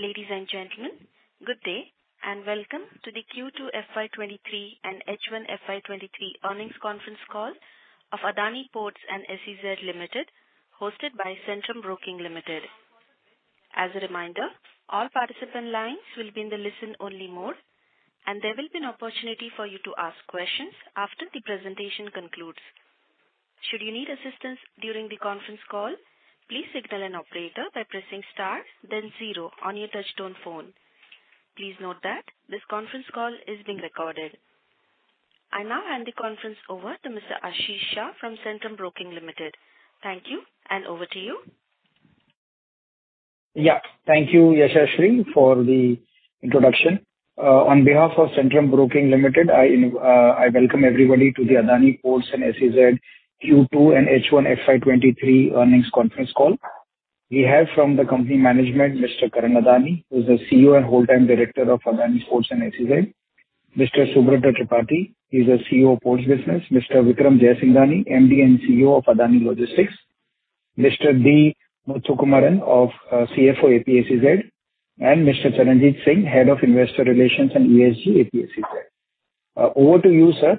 Ladies and gentlemen, good day and welcome to the Q2 FY 2023 and H1 FY 2023 earnings conference call of Adani Ports and SEZ Limited, hosted by Centrum Broking Limited. As a reminder, all participant lines will be in the listen-only mode, and there will be an opportunity for you to ask questions after the presentation concludes. Should you need assistance during the conference call, please signal an operator by pressing star then zero on your touchtone phone. Please note that this conference call is being recorded. I now hand the conference over to Mr. Ashish Shah from Centrum Broking Limited. Thank you, and over to you. Yeah. Thank you, Yashashri, for the introduction. On behalf of Centrum Broking Limited, I welcome everybody to the Adani Ports and SEZ Q2 and H1 FY 2023 earnings conference call. We have from the company management, Mr. Karan Adani, who's the CEO and Whole Time Director of Adani Ports and SEZ. Mr. Subrat Tripathy, he's the CEO of Ports Business. Mr. Vikram Jaisinghani, MD and CEO of Adani Logistics. Mr. D. Muthukumaran, CFO, APSEZ, and Mr. Charanjit Singh, Head of Investor Relations and ESG, APSEZ. Over to you, sir,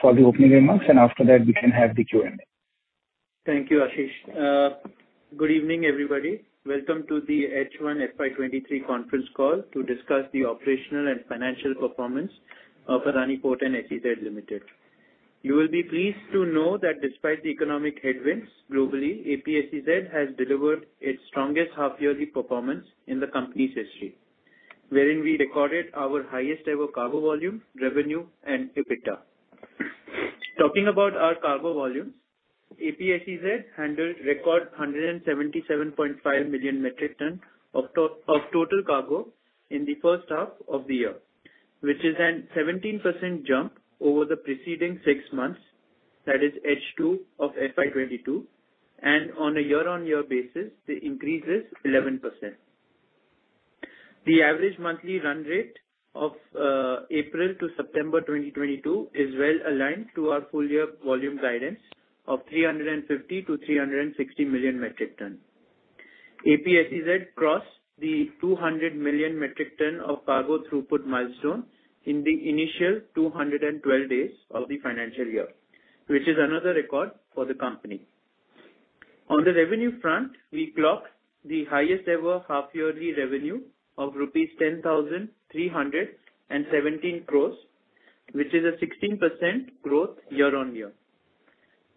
for the opening remarks, and after that we can have the Q&A. Thank you, Ashish. Good evening, everybody. Welcome to the H1 FY 2023 conference call to discuss the operational and financial performance of Adani Ports and Special Economic Zone Limited. You will be pleased to know that despite the economic headwinds globally, APSEZ has delivered its strongest half-yearly performance in the company's history, wherein we recorded our highest ever cargo volume, revenue and EBITDA. Talking about our cargo volumes, APSEZ handled record 177.5 million metric tons of total cargo in the first half of the year, which is a 17% jump over the preceding six months, that is H2 of FY 2022. On a year-on-year basis, the increase is 11%. The average monthly run rate of April to September 2022 is well aligned to our full year volume guidance of 350-360 million metric tons. APSEZ crossed the 200 million metric tons of cargo throughput milestone in the initial 212 days of the financial year, which is another record for the company. On the revenue front, we clocked the highest ever half-yearly revenue of rupees 10,317 crores, which is a 16% growth year-on-year.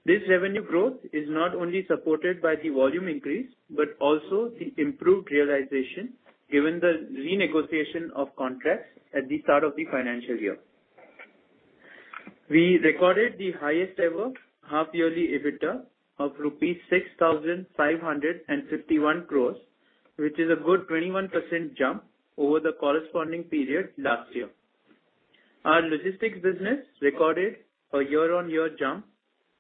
This revenue growth is not only supported by the volume increase, but also the improved realization given the renegotiation of contracts at the start of the financial year. We recorded the highest ever half-yearly EBITDA of rupees 6,551 crores, which is a good 21% jump over the corresponding period last year. Our logistics business recorded a year-on-year jump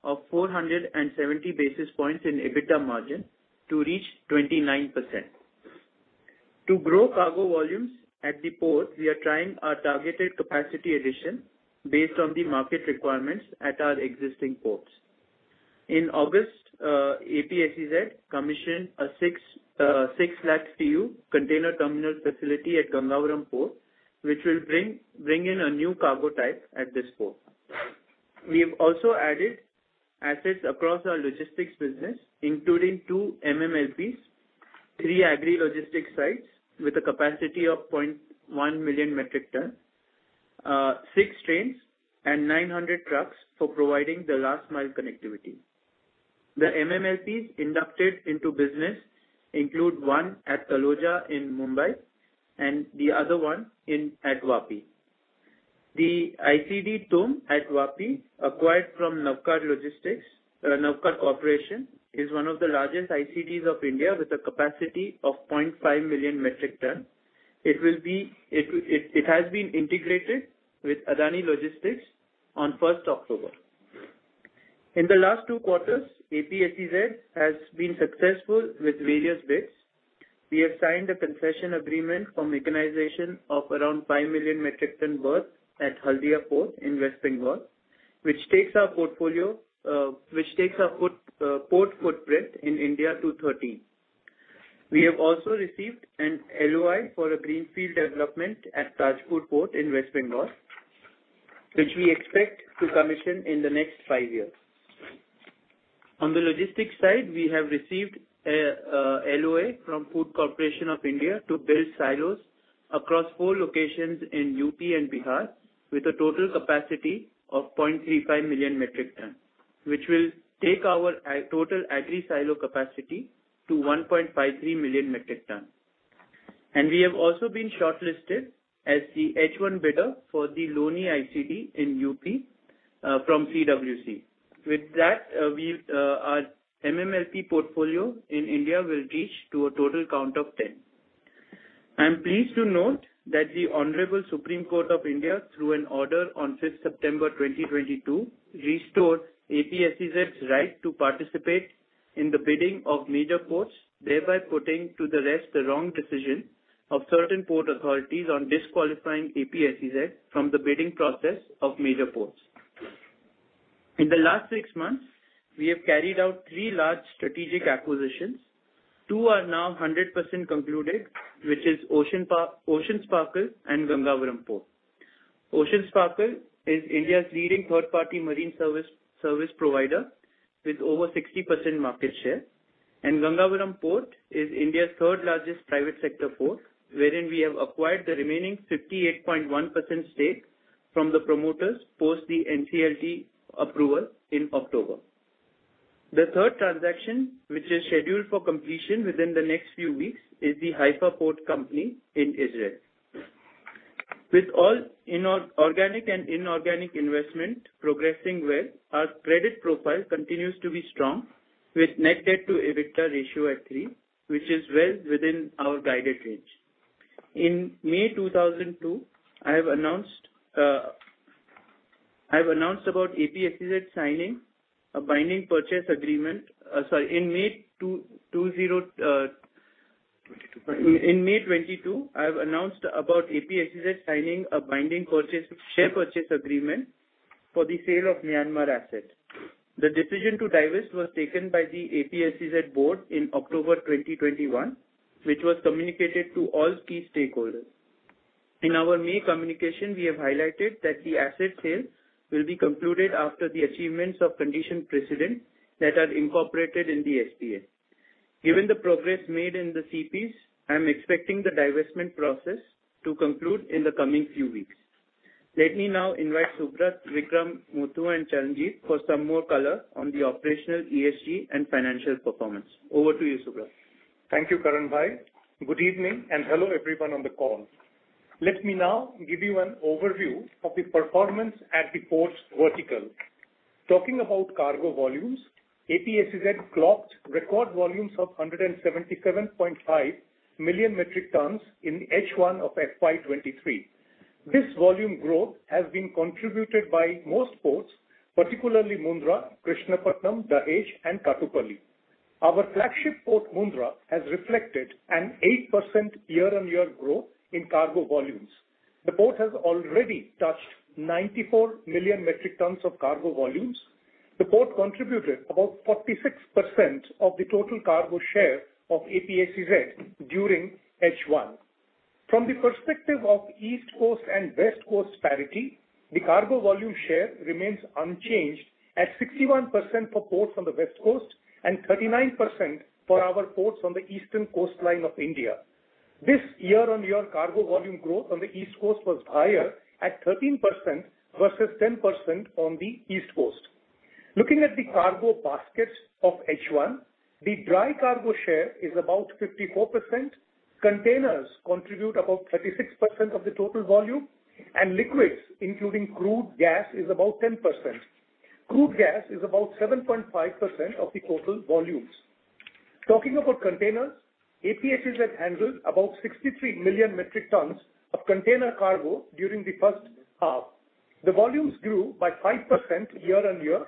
of 470 basis points in EBITDA margin to reach 29%. To grow cargo volumes at the port, we are driving our targeted capacity addition based on the market requirements at our existing ports. In August, APSEZ commissioned a 6 lakh TEU container terminal facility at Gangavaram Port, which will bring in a new cargo type at this port. We have also added assets across our logistics business, including 2 MMLPs, three agri logistics sites with a capacity of 0.1 million metric ton, six trains and 900 trucks for providing the last mile connectivity. The MMLPs inducted into business include one at Taloja in Mumbai and the other one at Vapi. The ICD Tumb at Vapi, acquired from Navkar Logistics, Navkar Corporation, is one of the largest ICDs of India with a capacity of 0.5 million metric ton. It has been integrated with Adani Logistics on 1st October. In the last two quarters, APSEZ has been successful with various bids. We have signed a concession agreement for mechanization of around 5 million metric ton berths at Haldia Port in West Bengal, which takes our port footprint in India to 13. We have also received an LOI for a greenfield development at Tajpur Port in West Bengal, which we expect to commission in the next five years. On the logistics side, we have received a LOA from Food Corporation of India to build silos across four locations in UP and Bihar with a total capacity of 0.35 million metric tons, which will take our total agri silo capacity to 1.53 million metric tons. We have also been shortlisted as the H1 bidder for the Loni ICD in UP from CONCOR. With that, our MMLP portfolio in India will reach to a total count of 10. I am pleased to note that the Honorable Supreme Court of India, through an order on 5th September 2022, restored APSEZ's right to participate in the bidding of major ports, thereby putting to rest the wrong decision of certain port authorities on disqualifying APSEZ from the bidding process of major ports. In the last six months, we have carried out three large strategic acquisitions. Two are now 100% concluded, which is Ocean Sparkle and Gangavaram Port. Ocean Sparkle is India's leading third-party marine service provider with over 60% market share. Gangavaram Port is India's third-largest private sector port, wherein we have acquired the remaining 58.1% stake from the promoters post the NCLT approval in October. The third transaction, which is scheduled for completion within the next few weeks, is the Haifa Port Company in Israel. With all organic and inorganic investment progressing well, our credit profile continues to be strong with net debt to EBITDA ratio at three, which is well within our guided range. In May 2020, I have announced about APSEZ signing a binding purchase agreement. 2022 In May 2022, I have announced about APSEZ signing a binding share purchase agreement for the sale of Myanmar assets. The decision to divest was taken by the APSEZ board in October 2021, which was communicated to all key stakeholders. In our May communication, we have highlighted that the asset sale will be concluded after the satisfaction of the conditions precedent that are incorporated in the SPA. Given the progress made in the CPs, I am expecting the divestment process to conclude in the coming few weeks. Let me now invite Subrat, Vikram, Muthu, and Charanjit for some more color on the operational, ESG, and financial performance. Over to you, Subrat. Thank you, Karan Adani. Good evening, and hello everyone on the call. Let me now give you an overview of the performance at the ports vertical. Talking about cargo volumes, APSEZ clocked record volumes of 177.5 million metric tons in H1 of FY 2023. This volume growth has been contributed by most ports, particularly Mundra, Krishnapatnam, Dahej, and Kattupalli. Our flagship port, Mundra, has reflected an 8% year-on-year growth in cargo volumes. The port has already touched 94 million metric tons of cargo volumes. The port contributed about 46% of the total cargo share of APSEZ during H1. From the perspective of East Coast and West Coast parity, the cargo volume share remains unchanged at 61% for ports on the West Coast and 39% for our ports on the eastern coastline of India. This year-on-year cargo volume growth on the East Coast was higher at 13% versus 10% on the East Coast. Looking at the cargo basket of H1, the dry cargo share is about 54%. Containers contribute about 36% of the total volume, and liquids, including crude, gas, is about 10%. Crude gas is about 7.5% of the total volumes. Talking about containers, APSEZ handled about 63 million metric tons of container cargo during the first half. The volumes grew by 5% year-on-year.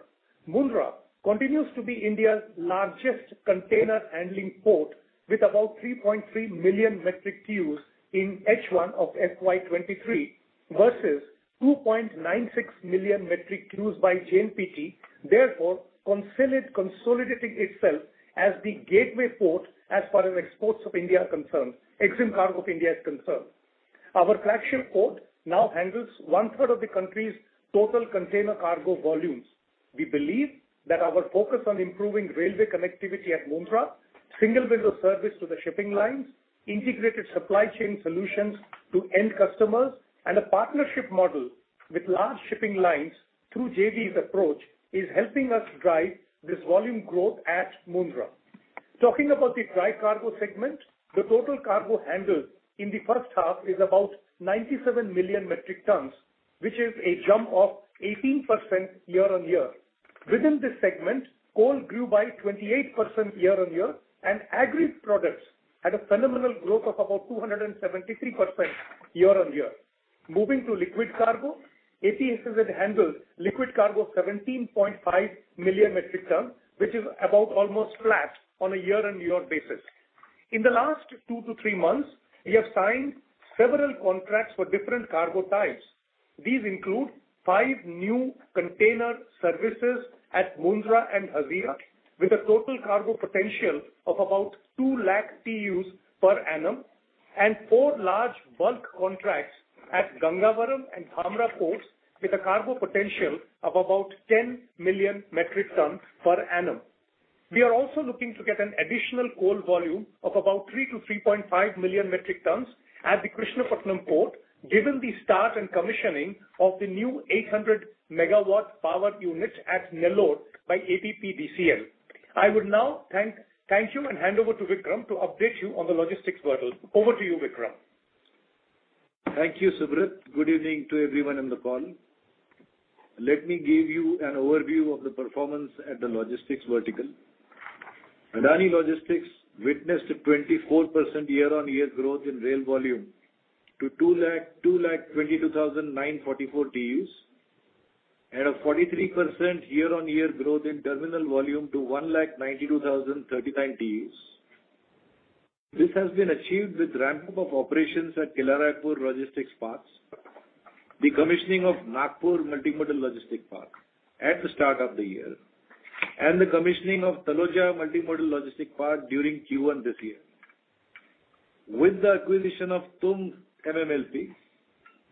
Mundra continues to be India's largest container handling port with about 3.3 million metric TEUs in H1 of FY 2023 versus 2.96 million metric TEUs by JNPT, therefore consolidating itself as the gateway port as far as exports of India are concerned, EXIM cargo of India is concerned. Our flagship port now handles 1/3 of the country's total container cargo volumes. We believe that our focus on improving railway connectivity at Mundra, single window service to the shipping lines, integrated supply chain solutions to end customers, and a partnership model with large shipping lines through JVs approach is helping us drive this volume growth at Mundra. Talking about the dry cargo segment, the total cargo handled in the first half is about 97 million metric tons, which is a jump of 18% year-on-year. Within this segment, coal grew by 28% year-on-year, and agri products had a phenomenal growth of about 273% year-on-year. Moving to liquid cargo, APSEZ handled liquid cargo 17.5 million metric tons, which is about almost flat on a year-on-year basis. In the last two-three months, we have signed several contracts for different cargo types. These include five new container services at Mundra and Hazira, with a total cargo potential of about 2 lakh TEUs per annum and four large bulk contracts at Gangavaram and Dhamra ports with a cargo potential of about 10 million metric tons per annum. We are also looking to get an additional coal volume of about 3-3.5 million metric tons at the Krishnapatnam Port, given the start and commissioning of the new 800-megawatt power units at Nellore by APPDCL. I would now thank you and hand over to Vikram to update you on the logistics vertical. Over to you, Vikram. Thank you, Subrat. Good evening to everyone on the call. Let me give you an overview of the performance at the logistics vertical. Adani Logistics witnessed a 24% year-on-year growth in rail volume to 2,22,944 TEUs, and a 43% year-on-year growth in terminal volume to 1,92,039 TEUs. This has been achieved with ramp-up of operations at Kila Raipur Logistics Parks, the commissioning of Nagpur Multi-modal Logistics Park at the start of the year, and the commissioning of Taloja Multi-modal Logistics Park during Q1 this year. With the acquisition of Tumb MMLP,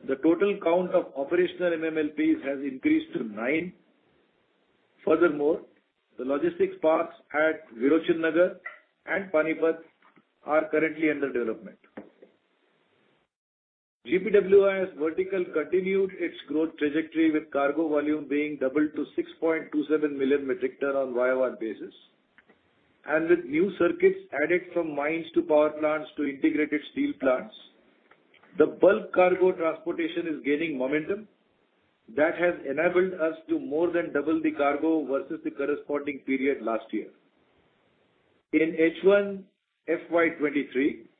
the total count of operational MMLPs has increased to nine. Furthermore, the logistics parks at Virochannagar and Panipat are currently under development. GPWIS vertical continued its growth trajectory with cargo volume being doubled to 6.27 million metric ton on year-over-year basis. With new circuits added from mines to power plants to integrated steel plants, the bulk cargo transportation is gaining momentum. That has enabled us to more than double the cargo versus the corresponding period last year. In H1 FY 2023,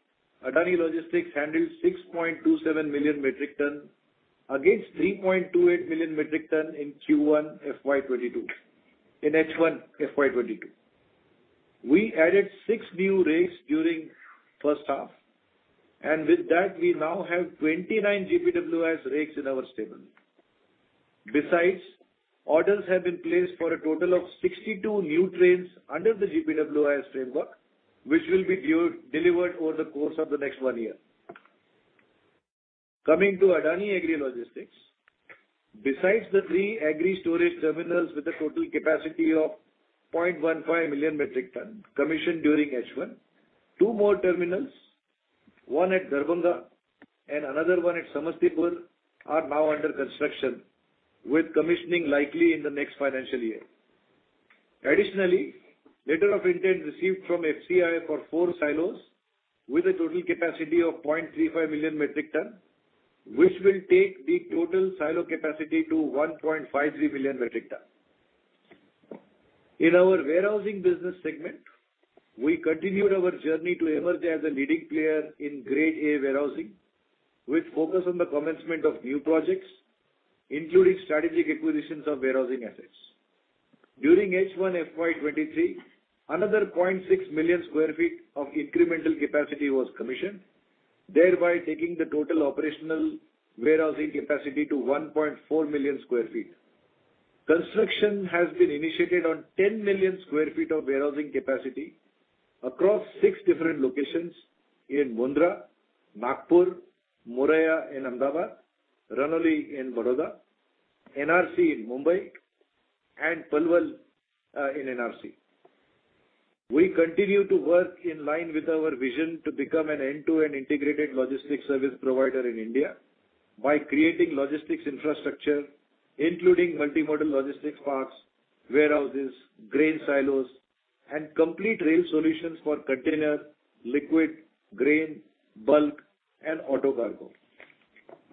Adani Logistics handled 6.27 million metric tons against 3.28 million metric tons in H1 FY 2022. We added six new rigs during first half, and with that, we now have 29 GPWIS rigs in our stable. Besides, orders have been placed for a total of 62 new trains under the GPWIS framework, which will be due delivered over the course of the next one year. Coming to Adani Agri Logistics, besides the three agri-storage terminals with a total capacity of 0.15 million metric tons commissioned during H1, two more terminals, one at Darbhanga and another one at Samastipur are now under construction, with commissioning likely in the next financial year. Additionally, letter of intent received from FCI for 4 silos with a total capacity of 0.35 million metric ton, which will take the total silo capacity to 1.53 million metric ton. In our warehousing business segment, we continued our journey to emerge as a leading player in grade A warehousing, with focus on the commencement of new projects, including strategic acquisitions of warehousing assets. During H1 FY 2023, another 0.6 million sq ft of incremental capacity was commissioned, thereby taking the total operational warehousing capacity to 1.4 million sq ft. Construction has been initiated on 10 million sq ft of warehousing capacity across six different locations in Mundra, Nagpur, Moraiya in Ahmedabad, Ranoli in Vadodara, NCR in Mumbai and Palwal in NCR. We continue to work in line with our vision to become an end-to-end integrated logistics service provider in India by creating logistics infrastructure, including multi-modal logistics parks, warehouses, grain silos and complete rail solutions for container, liquid, grain, bulk and auto cargo.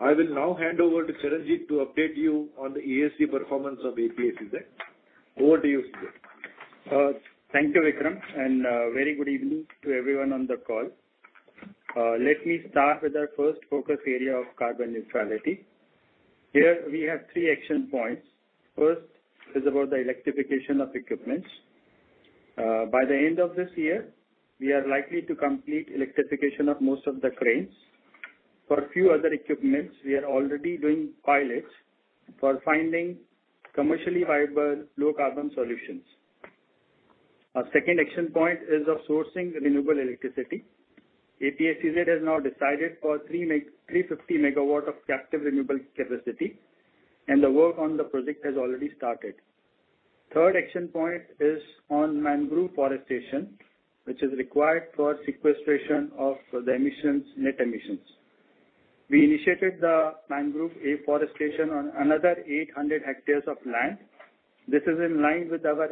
I will now hand over to Charanjit to update you on the ESG performance of APSEZ. Over to you, Charanjit. Thank you, Vikram, and very good evening to everyone on the call. Let me start with our first focus area of carbon neutrality. Here we have three action points. First is about the electrification of equipments. By the end of this year, we are likely to complete electrification of most of the cranes. For a few other equipments, we are already doing pilots for finding commercially viable low carbon solutions. Our second action point is of sourcing renewable electricity. APSEZ has now decided for 350 megawatts of captive renewable capacity, and the work on the project has already started. Third action point is on mangrove forestation, which is required for sequestration of the emissions, net emissions. We initiated the mangrove afforestation on another 800 hectares of land. This is in line with our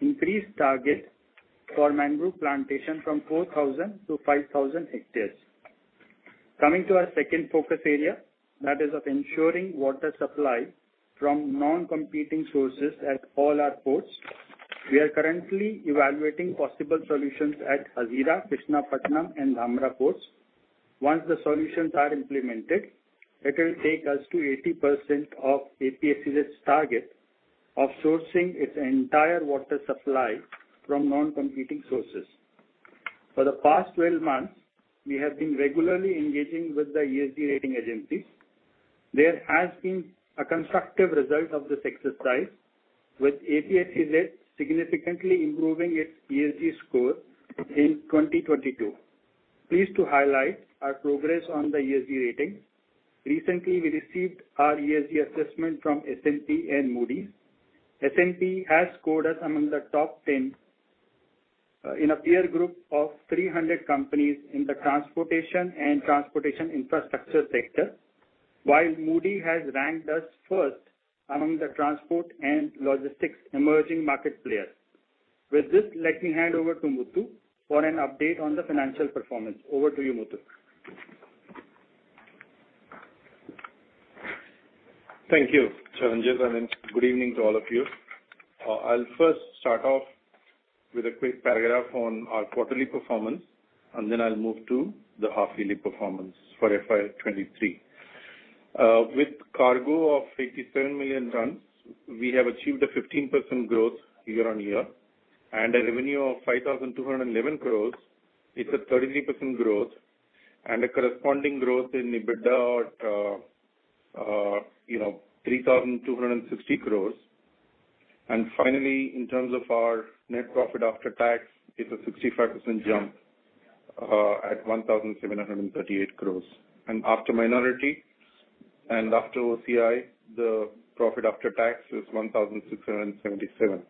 increased target for mangrove plantation from 4,000 to 5,000 hectares. Coming to our second focus area, that is of ensuring water supply from non-competing sources at all our ports. We are currently evaluating possible solutions at Hazira, Krishnapatnam and Dhamra ports. Once the solutions are implemented, it will take us to 80% of APSEZ's target of sourcing its entire water supply from non-competing sources. For the past 12 months, we have been regularly engaging with the ESG rating agencies. There has been a constructive result of this exercise, with APSEZ significantly improving its ESG score in 2022. Pleased to highlight our progress on the ESG ratings. Recently we received our ESG assessment from S&P and Moody's. S&P has scored us among the top 10 in a peer group of 300 companies in the transportation and transportation infrastructure sector, while Moody's has ranked us first among the transport and logistics emerging market players. With this, let me hand over to Muthu for an update on the financial performance. Over to you, Muthu. Thank you, Charanjit, and good evening to all of you. I'll first start off with a quick paragraph on our quarterly performance, and then I'll move to the half-yearly performance for FY 2023. With cargo of 87 million tons, we have achieved a 15% growth year-on-year. A revenue of 5,211 crores is a 33% growth. A corresponding growth in EBITDA of, you know, 3,260 crores. Finally, in terms of our net profit after tax is a 65% jump at 1,738 crores. After minority and after OCI, the profit after tax is 1,677 crores.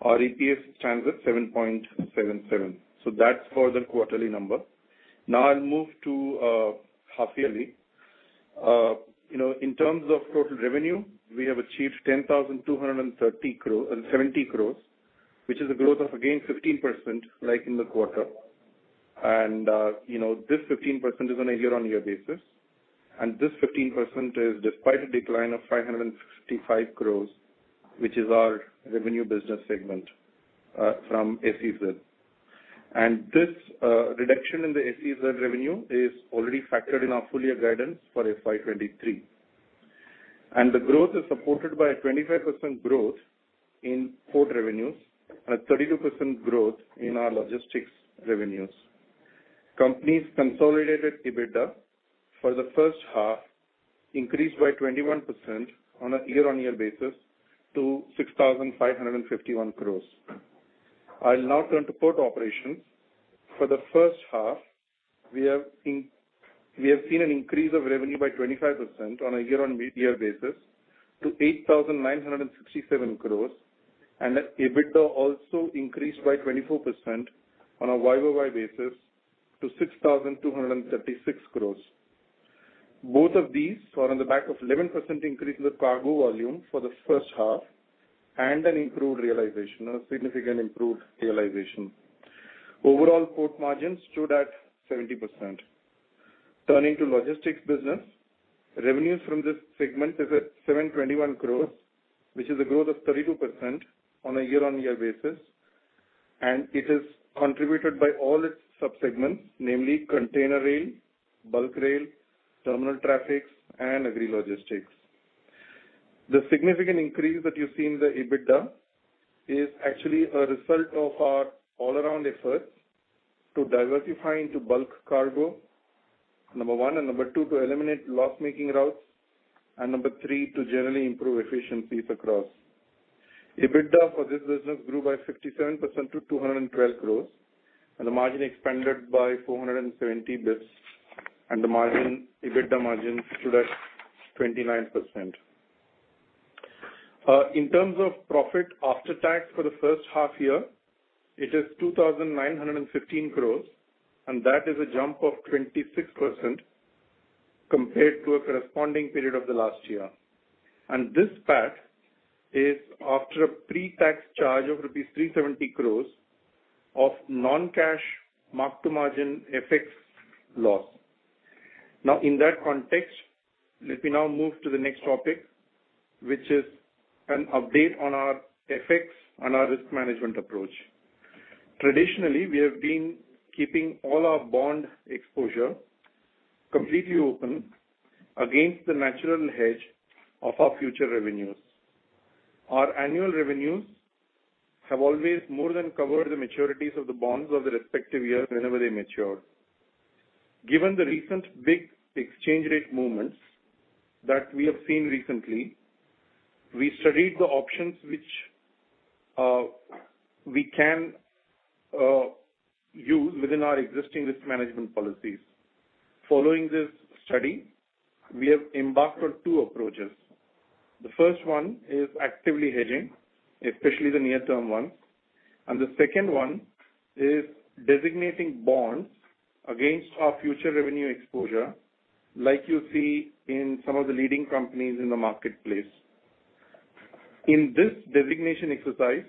Our EPS stands at 7.77. That's for the quarterly number. Now I'll move to half-yearly. You know, in terms of total revenue, we have achieved 10,270 crores, which is a growth of again 15% like in the quarter. You know, this 15% is on a year-on-year basis. This 15% is despite a decline of 565 crores, which is our revenue business segment from SEZ. This reduction in the SEZ revenue is already factored in our full year guidance for FY 2023. The growth is supported by a 25% growth in port revenues and a 32% growth in our logistics revenues. Company's consolidated EBITDA for the first half increased by 21% on a year-on-year basis to 6,551 crores. I'll now turn to port operations. For the first half, we have seen an increase of revenue by 25% on a year-on-year basis to 8,967 crores. EBITDA also increased by 24% on a YOY basis to 6,236 crores. Both of these are on the back of 11% increase in the cargo volume for the first half and an improved realization, a significantly improved realization. Overall port margins stood at 70%. Turning to logistics business, revenues from this segment is at 721 crores, which is a growth of 32% on a year-on-year basis. It is contributed by all its subsegments, namely container rail, bulk rail, terminal traffics, and agri logistics. The significant increase that you see in the EBITDA is actually a result of our all around efforts to diversify into bulk cargo, number one, and number two, to eliminate loss-making routes, and number three, to generally improve efficiencies across. EBITDA for this business grew by 57% to 212 crores, and the margin expanded by 470 basis points, and the EBITDA margin stood at 29%. In terms of profit after tax for the first half year, it is 2,915 crores, and that is a jump of 26% compared to a corresponding period of the last year. This PAT is after a pre-tax charge of rupees 370 crores of non-cash mark-to-market FX loss. Now, in that context, let me now move to the next topic, which is an update on our FX and our risk management approach. Traditionally, we have been keeping all our bond exposure completely open against the natural hedge of our future revenues. Our annual revenues have always more than covered the maturities of the bonds of the respective year whenever they mature. Given the recent big exchange rate movements that we have seen recently, we studied the options which we can use within our existing risk management policies. Following this study, we have embarked on two approaches. The first one is actively hedging, especially the near-term ones. The second one is designating bonds against our future revenue exposure, like you see in some of the leading companies in the marketplace. In this designation exercise,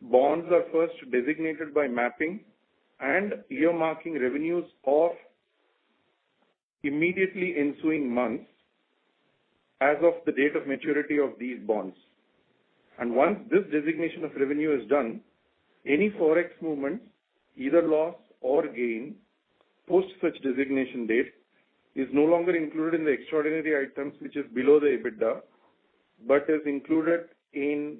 bonds are first designated by mapping and earmarking revenues of immediately ensuing months as of the date of maturity of these bonds. Once this designation of revenue is done, any Forex movements, either loss or gain, post such designation date, is no longer included in the extraordinary items which is below the EBITDA, but is included in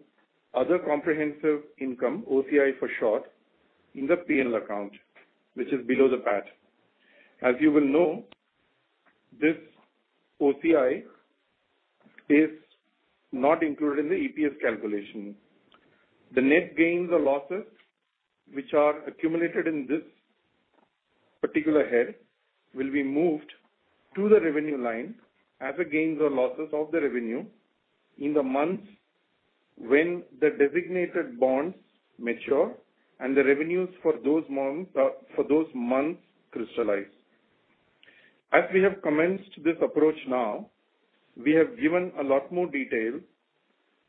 other comprehensive income, OCI for short, in the P&L account, which is below the PAT. As you will know, this OCI is not included in the EPS calculation. The net gains or losses which are accumulated in this particular head will be moved to the revenue line as the gains or losses of the revenue in the months when the designated bonds mature and the revenues for those months crystallize. As we have commenced this approach now, we have given a lot more detail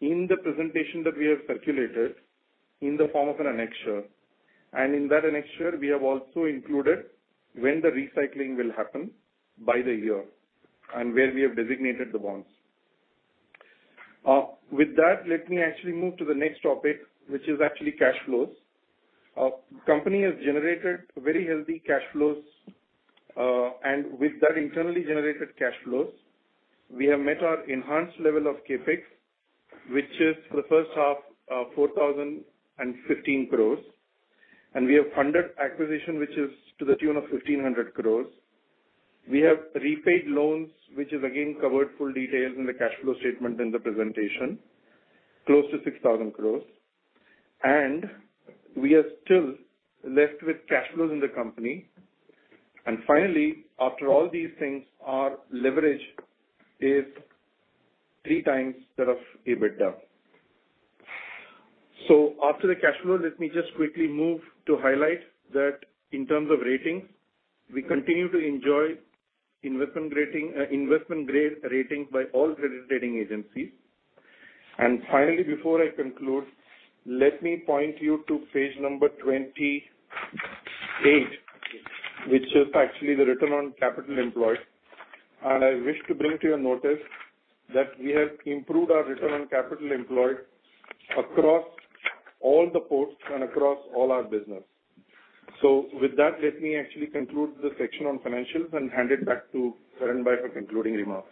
in the presentation that we have circulated in the form of an annexure. In that annexure, we have also included when the recycling will happen by the year and where we have designated the bonds. With that, let me actually move to the next topic, which is actually cash flows. Company has generated very healthy cash flows. With that internally generated cash flows, we have met our enhanced level of CapEx, which is for the first half of 4,015 crores. We have funded acquisition, which is to the tune of 1,500 crore. We have repaid loans, which is again covered full details in the cash flow statement in the presentation, close to 6,000 crores. We are still left with cash flows in the company. Finally, after all these things, our leverage is three times that of EBITDA. After the cash flow, let me just quickly move to highlight that in terms of ratings, we continue to enjoy investment rating, investment grade rating by all credit rating agencies. Finally, before I conclude, let me point you to page number 28, which is actually the return on capital employed. I wish to bring to your notice that we have improved our return on capital employed across all the ports and across all our business. With that, let me actually conclude this section on financials and hand it back to Karan Adani for concluding remarks.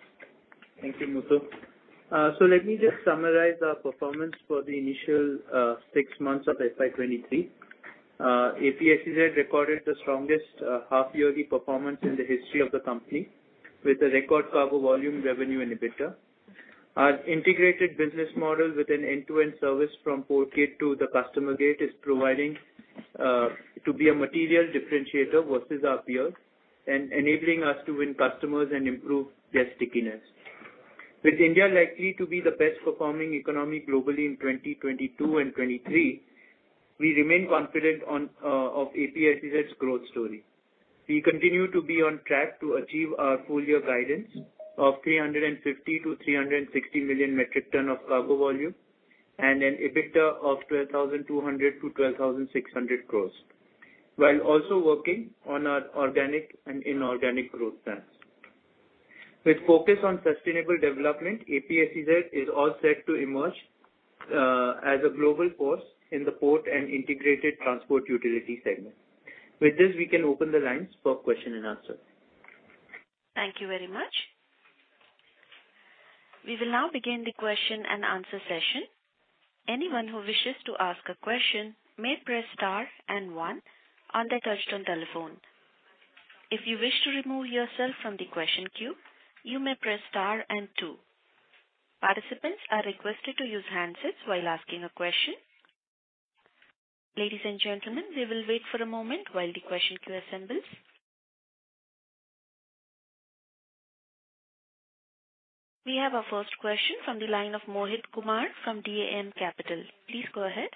Thank you, Muthu. Let me just summarize our performance for the initial six months of FY 2023. APSEZ recorded the strongest half-yearly performance in the history of the company with a record cargo volume revenue and EBITDA. Our integrated business model with an end-to-end service from port gate to the customer gate is proving to be a material differentiator versus our peers and enabling us to win customers and improve their stickiness. With India likely to be the best performing economy globally in 2022 and 2023, we remain confident of APSEZ growth story. We continue to be on track to achieve our full year guidance of 350-360 million metric tons of cargo volume and an EBITDA of 12,200-12,600 crores, while also working on our organic and inorganic growth plans. With focus on sustainable development, APSEZ is all set to emerge as a global force in the port and integrated transport utility segment. With this, we can open the lines for question and answer. Thank you very much. We will now begin the question and answer session. Anyone who wishes to ask a question may press star and one on their touchtone telephone. If you wish to remove yourself from the question queue, you may press star and two. Participants are requested to use handsets while asking a question. Ladies and gentlemen, we will wait for a moment while the question queue assembles. We have our first question from the line of Mohit Kumar from DAM Capital. Please go ahead.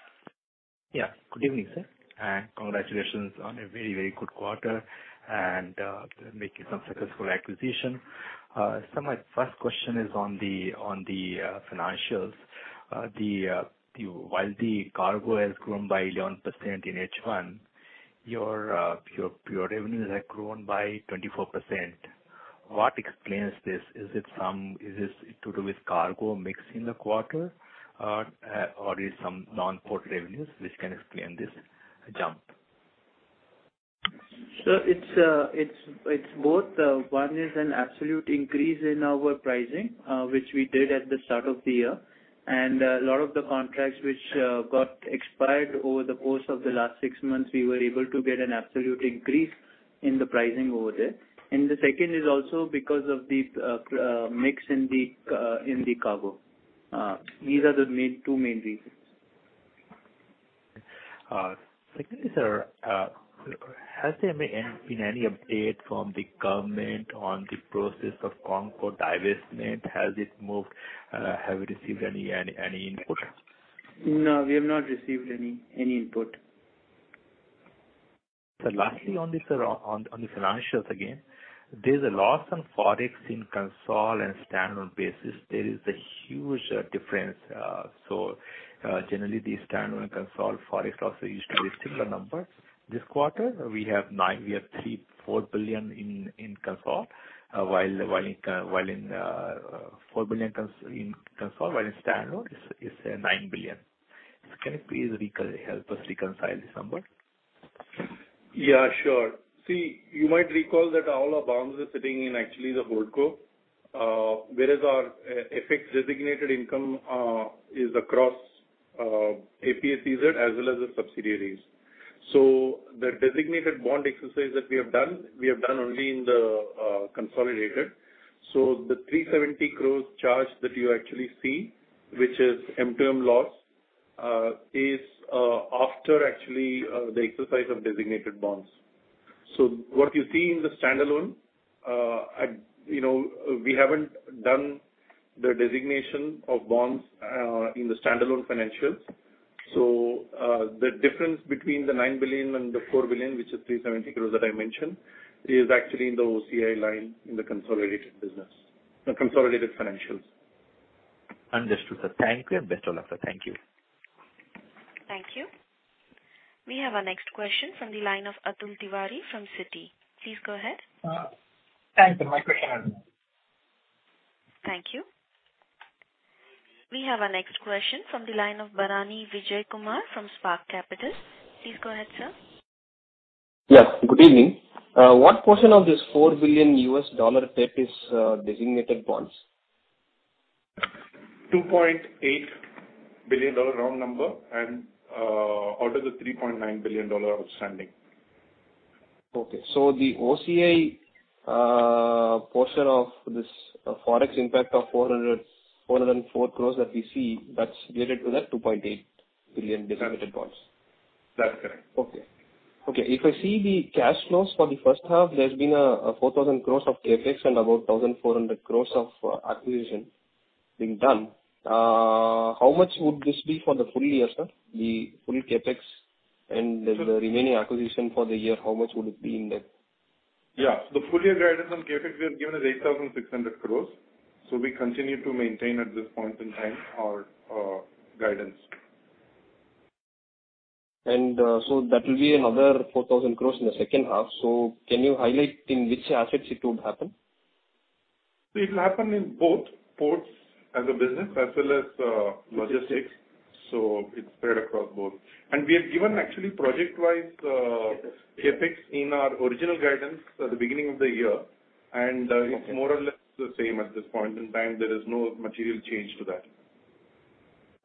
Yeah. Good evening, sir, and congratulations on a very, very good quarter and making some successful acquisition. My first question is on the financials. While the cargo has grown by 11% in H1, your port revenues have grown by 24%. What explains this? Is this to do with cargo mix in the quarter or is some non-port revenues which can explain this jump? It's both. One is an absolute increase in our pricing, which we did at the start of the year. A lot of the contracts which got expired over the course of the last six months, we were able to get an absolute increase in the pricing over there. The second is also because of the mix in the cargo. These are the two main reasons. Secondly, sir, has there been any update from the government on the process of CONCOR divestment? Has it moved? Have you received any input? No, we have not received any input. Lastly on this, sir, on the financials again. There's a loss on forex in consolidated and standalone basis. There is a huge difference. Generally the standalone and consolidated forex losses used to be similar numbers. This quarter we have 9 billion, 3-4 billion in consolidated, while in consolidated INR 4 billion, while in standalone it's 9 billion. Can you please help us reconcile this number? Yeah, sure. See, you might recall that all our bonds are sitting in actually the hold co. Whereas our FX designated income is across APSEZ as well as the subsidiaries. The designated bond exercise that we have done, we have done only in the consolidated. The 370 crores charge that you actually see, which is MTM loss, is after actually the exercise of designated bonds. What you see in the standalone, I you know, we haven't done the designation of bonds in the standalone financials. The difference between the 9 billion and the 4 billion, which is 370 crores that I mentioned, is actually in the OCI line in the consolidated business, the consolidated financials. Understood, sir. Thank you and best of luck, sir. Thank you. Thank you. We have our next question from the line of Atul Tiwari from Citi. Please go ahead. Thanks. My question has been answered. Thank you. We have our next question from the line of Barani Vijayakumar from Spark Capital. Please go ahead, sir. Yes, good evening. What portion of this $4 billion debt is designated bonds? $2.8 billion, round number, and out of the $3.9 billion outstanding. Okay. The OCI portion of this Forex impact of 404 crores that we see, that's related to the $2.8 billion designated bonds? That's correct. If I see the cash flows for the first half, there's been a 4,000 crore of CapEx and about 1,400 crore of acquisition being done. How much would this be for the full year, sir? The full CapEx and the remaining acquisition for the year, how much would it be in that? The full year guidance on CapEx we have given is 8,600 crores. We continue to maintain at this point in time our guidance. that will be another 4,000 crores in the second half. Can you highlight in which assets it would happen? It'll happen in both ports as a business as well as logistics. It's spread across both. We have given actually project-wise. Yes, sir. CapEx in our original guidance at the beginning of the year. It's more or less the same at this point in time. There is no material change to that.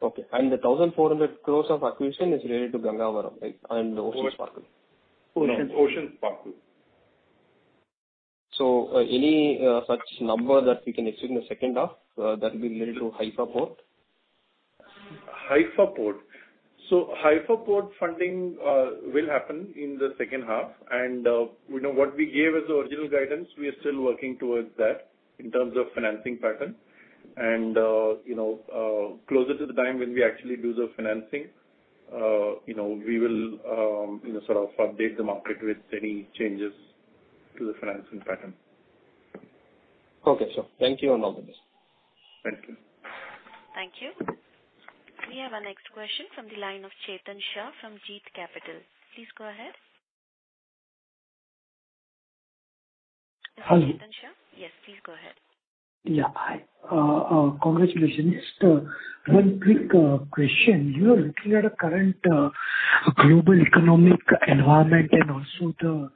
Okay. The 1,400 crores acquisition is related to Gangavaram, right? And Ocean Sparkle. No, it's Ocean Sparkle. Any such number that we can expect in the second half, that'll be related to Haifa Port? Haifa Port funding will happen in the second half. What we gave as original guidance, we are still working towards that in terms of financing pattern. Closer to the time when we actually do the financing, we will sort of update the market with any changes to the financing pattern. Okay, sir. Thank you and all the best. Thank you. Thank you. We have our next question from the line of Chetan Shah from Jeet Capital. Please go ahead. Hello. Mr. Chetan Shah? Yes, please go ahead. Yeah. Hi. Congratulations. Just one quick question. You are looking at a current global economic environment and also the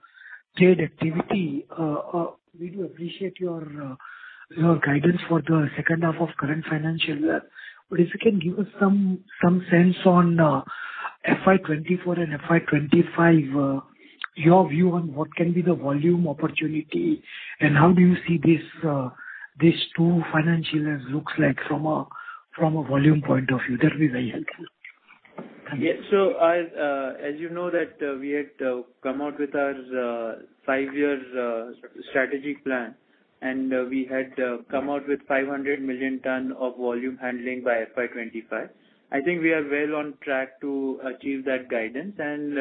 trade activity. We do appreciate your guidance for the second half of current financial year. If you can give us some sense on FY 2024 and FY 2025, your view on what can be the volume opportunity and how do you see these two financial years looks like from a volume point of view. That'll be very helpful. Thank you. Yeah. I, as you know that, we had come out with our five-year strategy plan, and we had come out with 500 million tons of volume handling by FY 2025. I think we are well on track to achieve that guidance and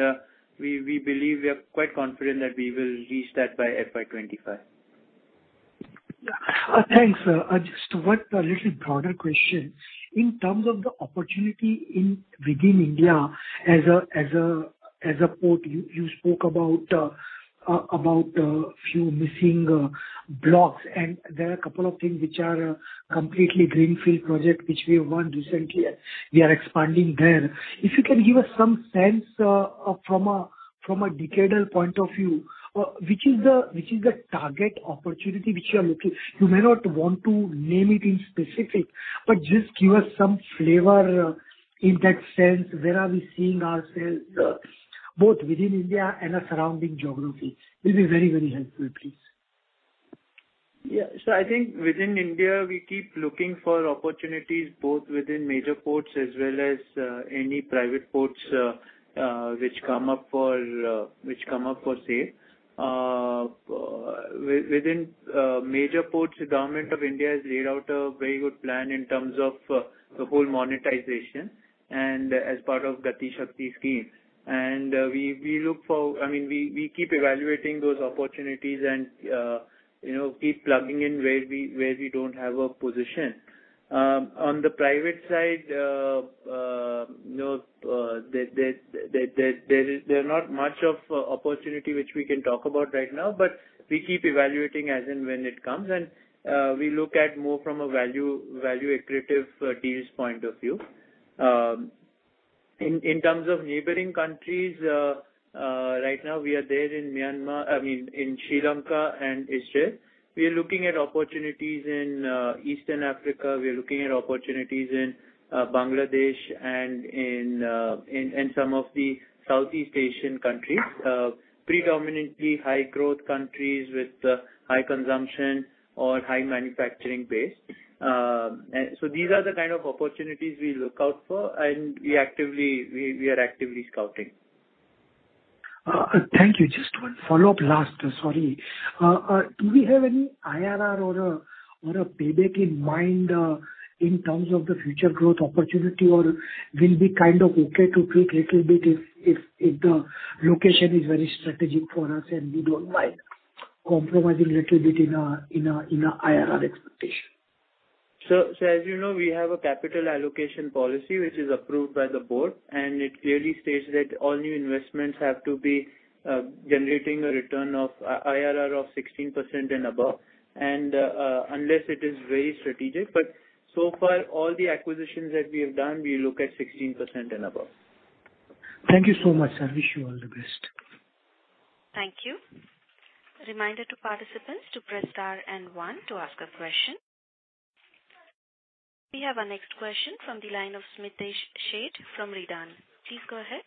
we believe we are quite confident that we will reach that by FY 2025. Yeah. Thanks, sir. Just one little broader question. In terms of the opportunity within India as a port, you spoke about a few missing blocks and there are a couple of things which are completely greenfield project which we have won recently and we are expanding there. If you can give us some sense from a decadal point of view, which is the target opportunity which you are looking. You may not want to name it specifically, but just give us some flavor in that sense, where are we seeing ourselves both within India and our surrounding geography. Will be very, very helpful, please. Yeah. I think within India we keep looking for opportunities both within major ports as well as any private ports which come up for sale. Within major ports, the Government of India has laid out a very good plan in terms of the whole monetization and as part of Gati Shakti scheme. I mean, we keep evaluating those opportunities and, you know, keep plugging in where we don't have a position. On the private side, you know, there are not much of opportunity which we can talk about right now, but we keep evaluating as and when it comes. We look at more from a value accretive deals point of view. In terms of neighboring countries, right now we are there in Myanmar, I mean, in Sri Lanka and Israel. We are looking at opportunities in eastern Africa. We are looking at opportunities in Bangladesh and in some of the Southeast Asian countries. Predominantly high growth countries with high consumption or high manufacturing base. These are the kind of opportunities we look out for and we are actively scouting. Thank you. Just one last follow-up. Sorry. Do we have any IRR or a payback in mind in terms of the future growth opportunity or we'll be kind of okay to take little bit if the location is very strategic for us and we don't mind compromising little bit in our IRR expectation? As you know, we have a capital allocation policy which is approved by the board, and it clearly states that all new investments have to be generating a return of IRR of 16% and above, unless it is very strategic. So far, all the acquisitions that we have done, we look at 16% and above. Thank you so much. I wish you all the best. Thank you. Reminder to participants to press star and one to ask a question. We have our next question from the line of Smitesh Sheth from Raedan. Please go ahead.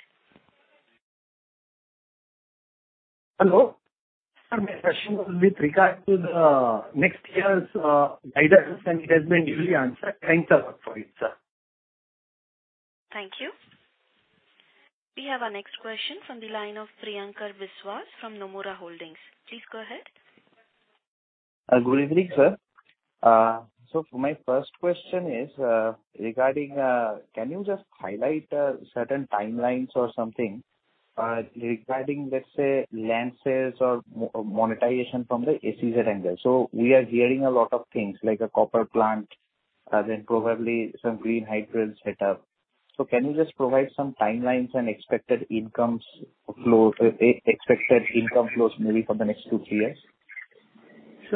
Hello. My question was with regard to the next year's guidance, and it has been duly answered. Thanks a lot for it, sir. Thank you. We have our next question from the line of Priyankar Biswas from Nomura Holdings. Please go ahead. Good evening, sir. My first question is regarding can you just highlight certain timelines or something regarding, let's say, land sales or monetization from the SEZ angle. We are hearing a lot of things like a copper plant, then probably some green hybrids set up. Can you just provide some timelines and expected income flows maybe for the next 2-3 years?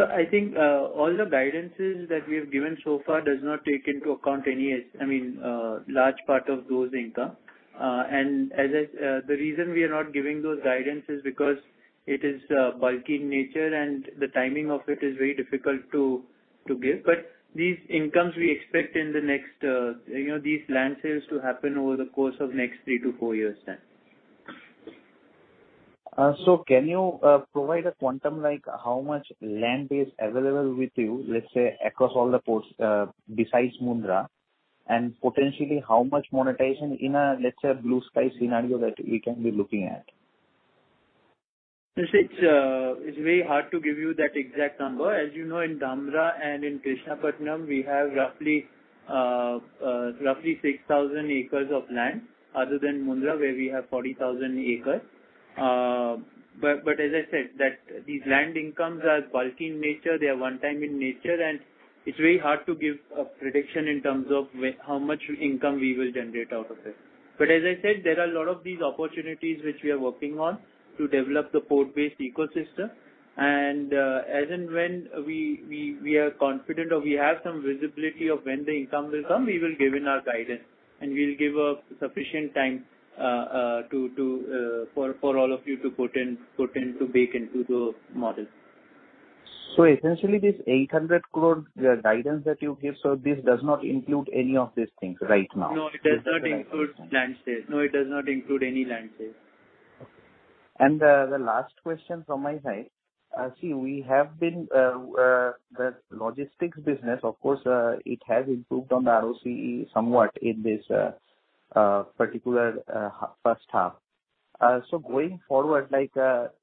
I think all the guidances that we have given so far does not take into account any, I mean, large part of those income. The reason we are not giving those guidance is because it is bulky in nature and the timing of it is very difficult to give. These incomes we expect in the next, you know, these land sales to happen over the course of next three-four years' time. Can you provide a quantum, like how much land is available with you, let's say, across all the ports, besides Mundra, and potentially how much monetization in a, let's say, blue sky scenario that we can be looking at? It's very hard to give you that exact number. As you know, in Dhamra and in Krishnapatnam, we have roughly 6,000 acres of land other than Mundra where we have 40,000 acres. As I said, these land incomes are bulky in nature. They are one-time in nature and it's very hard to give a prediction in terms of how much income we will generate out of it. As I said, there are a lot of these opportunities which we are working on to develop the port-based ecosystem. As and when we are confident or we have some visibility of when the income will come, we will give in our guidance and we'll give a sufficient time for all of you to put in to bake into the model. Essentially this 800 crores, the guidance that you give, so this does not include any of these things right now? No, it does not include land sales. No, it does not include any land sales. The last question from my side. See, we have been the logistics business, of course, it has improved on the ROCE somewhat in this particular first half. Going forward, like,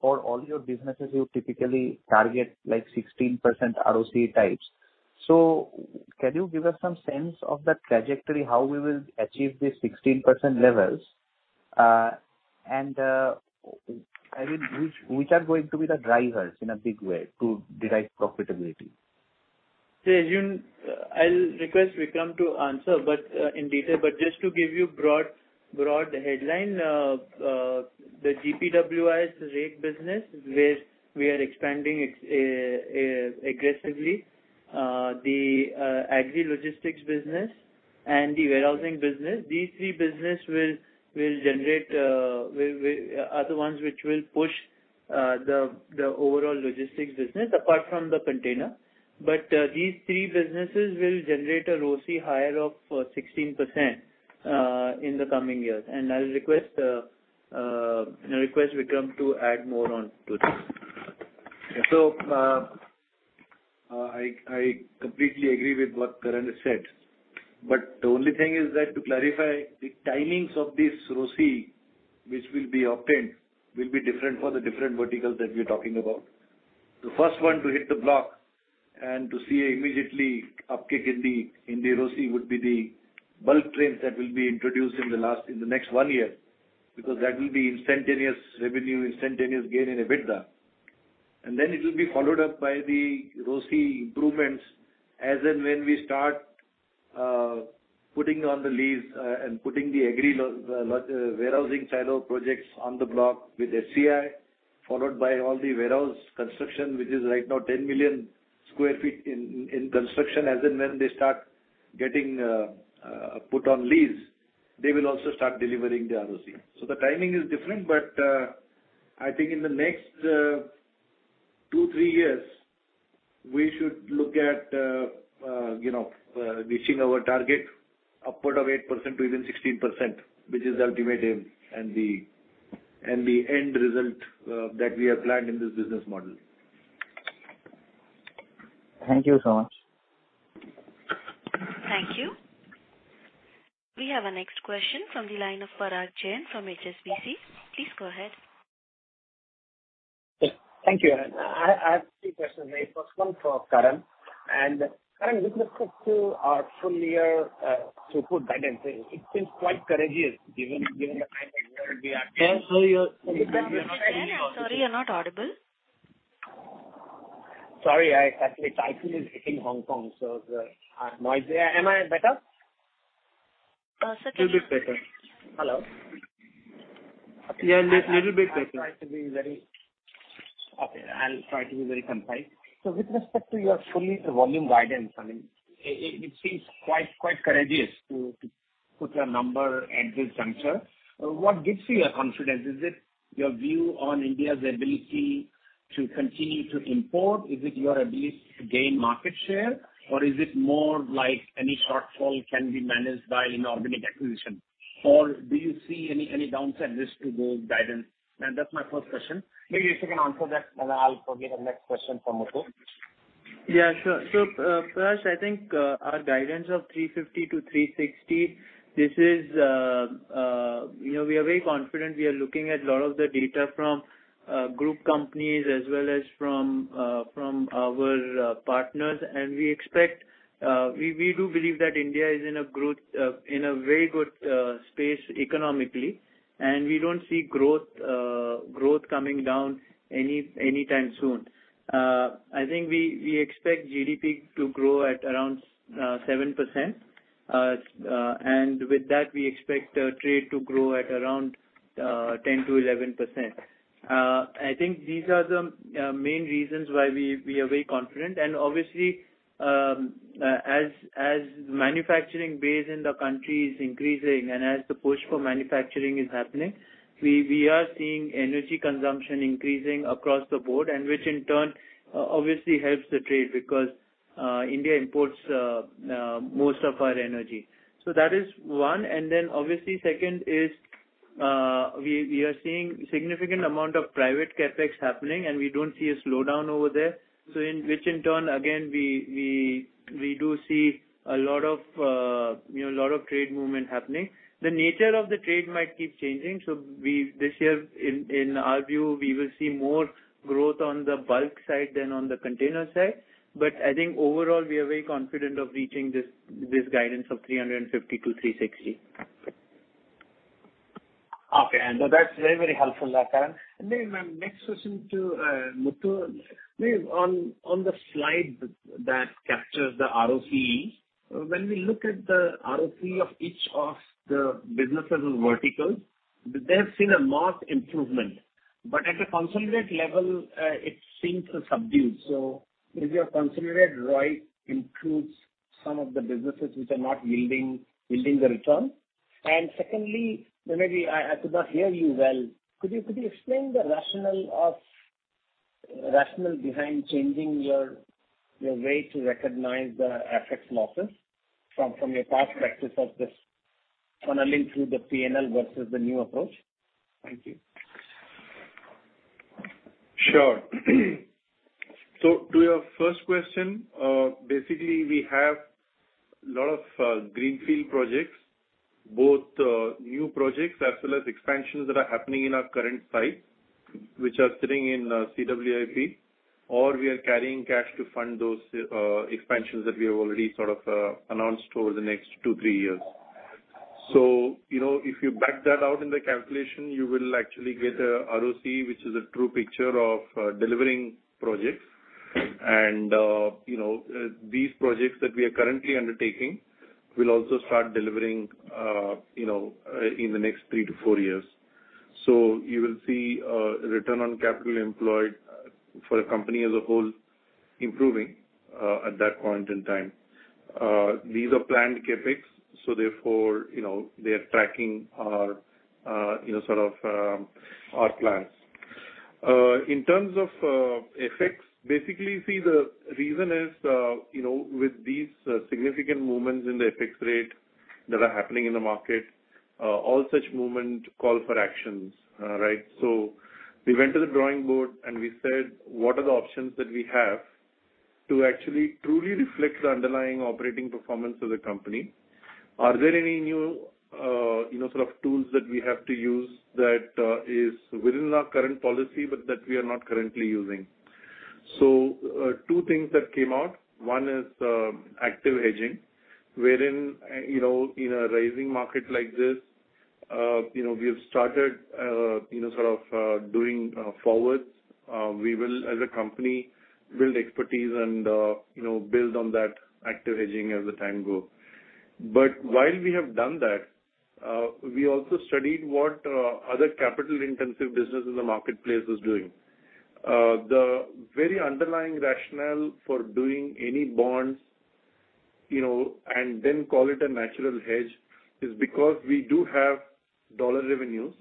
for all your businesses you typically target like 16% ROCE. Can you give us some sense of the trajectory how we will achieve these 16% levels? I mean, which are going to be the drivers in a big way to derive profitability? I'll request Vikram to answer, but in detail. Just to give you a broad headline, the GPWIS rate business where we are expanding it aggressively, the agri logistics business and the warehousing business. These three businesses are the ones which will push the overall logistics business apart from the container. These three businesses will generate a ROCE higher of 16% in the coming years. I'll request Vikram to add more on to this. I completely agree with what Karan said. But the only thing is that to clarify the timings of this ROCE which will be obtained will be different for the different verticals that we're talking about. The first one to hit the block and to see immediately uptick in the ROCE would be the bulk trains that will be introduced in the next one year. Because that will be instantaneous revenue, instantaneous gain in EBITDA. Then it will be followed up by the ROCE improvements as and when we start putting on the lease and putting the agri logistics warehousing silo projects on the block with FCI, followed by all the warehouse construction, which is right now 10 million sq ft in construction. As and when they start getting put on lease, they will also start delivering the ROCE. The timing is different, but I think in the next 2-3 years, we should look at you know reaching our target upward of 8% to even 16%, which is the ultimate aim and the end result that we have planned in this business model. Thank you so much. Thank you. We have our next question from the line of Parash Jain from HSBC. Please go ahead. Yes. Thank you. I have three questions. First one for Karan. Karan, looking across to our full year, throughput guidance, it seems quite courageous given the type of weather we are seeing. Can't hear you. Sorry, you're not audible. Sorry, actually a typo is hitting Hong Kong, so the noise. Am I better? Little bit. Little bit better. Hello. Yeah, little bit better. I'll try to be very concise. With respect to your full year volume guidance, I mean, it seems quite courageous to put a number at this juncture. What gives you your confidence? Is it your view on India's ability to continue to import? Is it your ability to gain market share? Or is it more like any shortfall can be managed by inorganic acquisition? Or do you see any downside risk to those guidance? That's my first question. Maybe you can answer that, and I'll probably have next question for Muthu. Yeah, sure. First, I think our guidance of 350-360. This is, you know, we are very confident. We are looking at a lot of the data from group companies as well as from our partners. We expect we do believe that India is in a growth in a very good space economically, and we don't see growth coming down anytime soon. I think we expect GDP to grow at around 7%. With that, we expect trade to grow at around 10%-11%. I think these are the main reasons why we are very confident. Obviously, as manufacturing base in the country is increasing and as the push for manufacturing is happening, we are seeing energy consumption increasing across the board and which in turn obviously helps the trade because India imports most of our energy. That is one. Obviously, second is, we are seeing significant amount of private CapEx happening, and we don't see a slowdown over there. In which in turn, again, we do see a lot of you know, a lot of trade movement happening. The nature of the trade might keep changing. This year, in our view, we will see more growth on the bulk side than on the container side. I think overall we are very confident of reaching this guidance of 350-360. Okay. That's very, very helpful, Karan. Maybe my next question to Muthu. Maybe on the slide that captures the ROCE, when we look at the ROCE of each of the businesses or verticals, they've seen a marked improvement. At a consolidated level, it seems subdued. Is your consolidated ROI includes some of the businesses which are not yielding the return? Secondly, maybe I could not hear you well. Could you explain the rationale behind changing your way to recognize the FX losses from your past practice of this funneling through the P&L versus the new approach? Thank you. Sure. To your first question, basically we have a lot of greenfield projects, both new projects as well as expansions that are happening in our current site, which are sitting in CWIP, or we are carrying cash to fund those expansions that we have already sort of announced over the next two to three years. You know, if you back that out in the calculation, you will actually get a ROCE, which is a true picture of delivering projects. You know, these projects that we are currently undertaking will also start delivering you know in the next three to four years. You will see return on capital employed for a company as a whole improving at that point in time. These are planned CapEx, so therefore, you know, they are tracking our, you know, sort of, our plans. In terms of FX, basically, the reason is, you know, with these significant movements in the FX rate that are happening in the market, all such movement call for actions, right? We went to the drawing board and we said, "What are the options that we have to actually truly reflect the underlying operating performance of the company? Are there any new, you know, sort of tools that we have to use that is within our current policy but that we are not currently using?" Two things that came out. One is active hedging, wherein you know, in a rising market like this, you know, we have started you know, sort of doing forwards. We will, as a company, build expertise and you know, build on that active hedging as the time go. While we have done that, we also studied what other capital intensive businesses in the marketplace was doing. The very underlying rationale for doing any bonds, you know, and then call it a natural hedge is because we do have dollar revenues.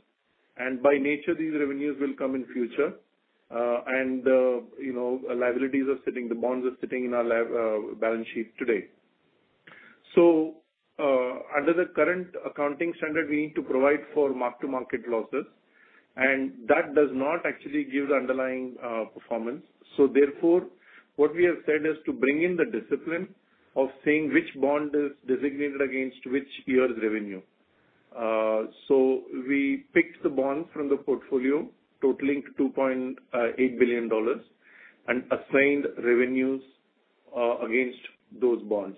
By nature these revenues will come in future. You know, liabilities are sitting, the bonds are sitting in our balance sheet today. Under the current accounting standard, we need to provide for mark-to-market losses, and that does not actually give the underlying performance. Therefore, what we have said is to bring in the discipline of saying which bond is designated against which year's revenue. We picked the bond from the portfolio totaling $2.8 billion and assigned revenues against those bonds.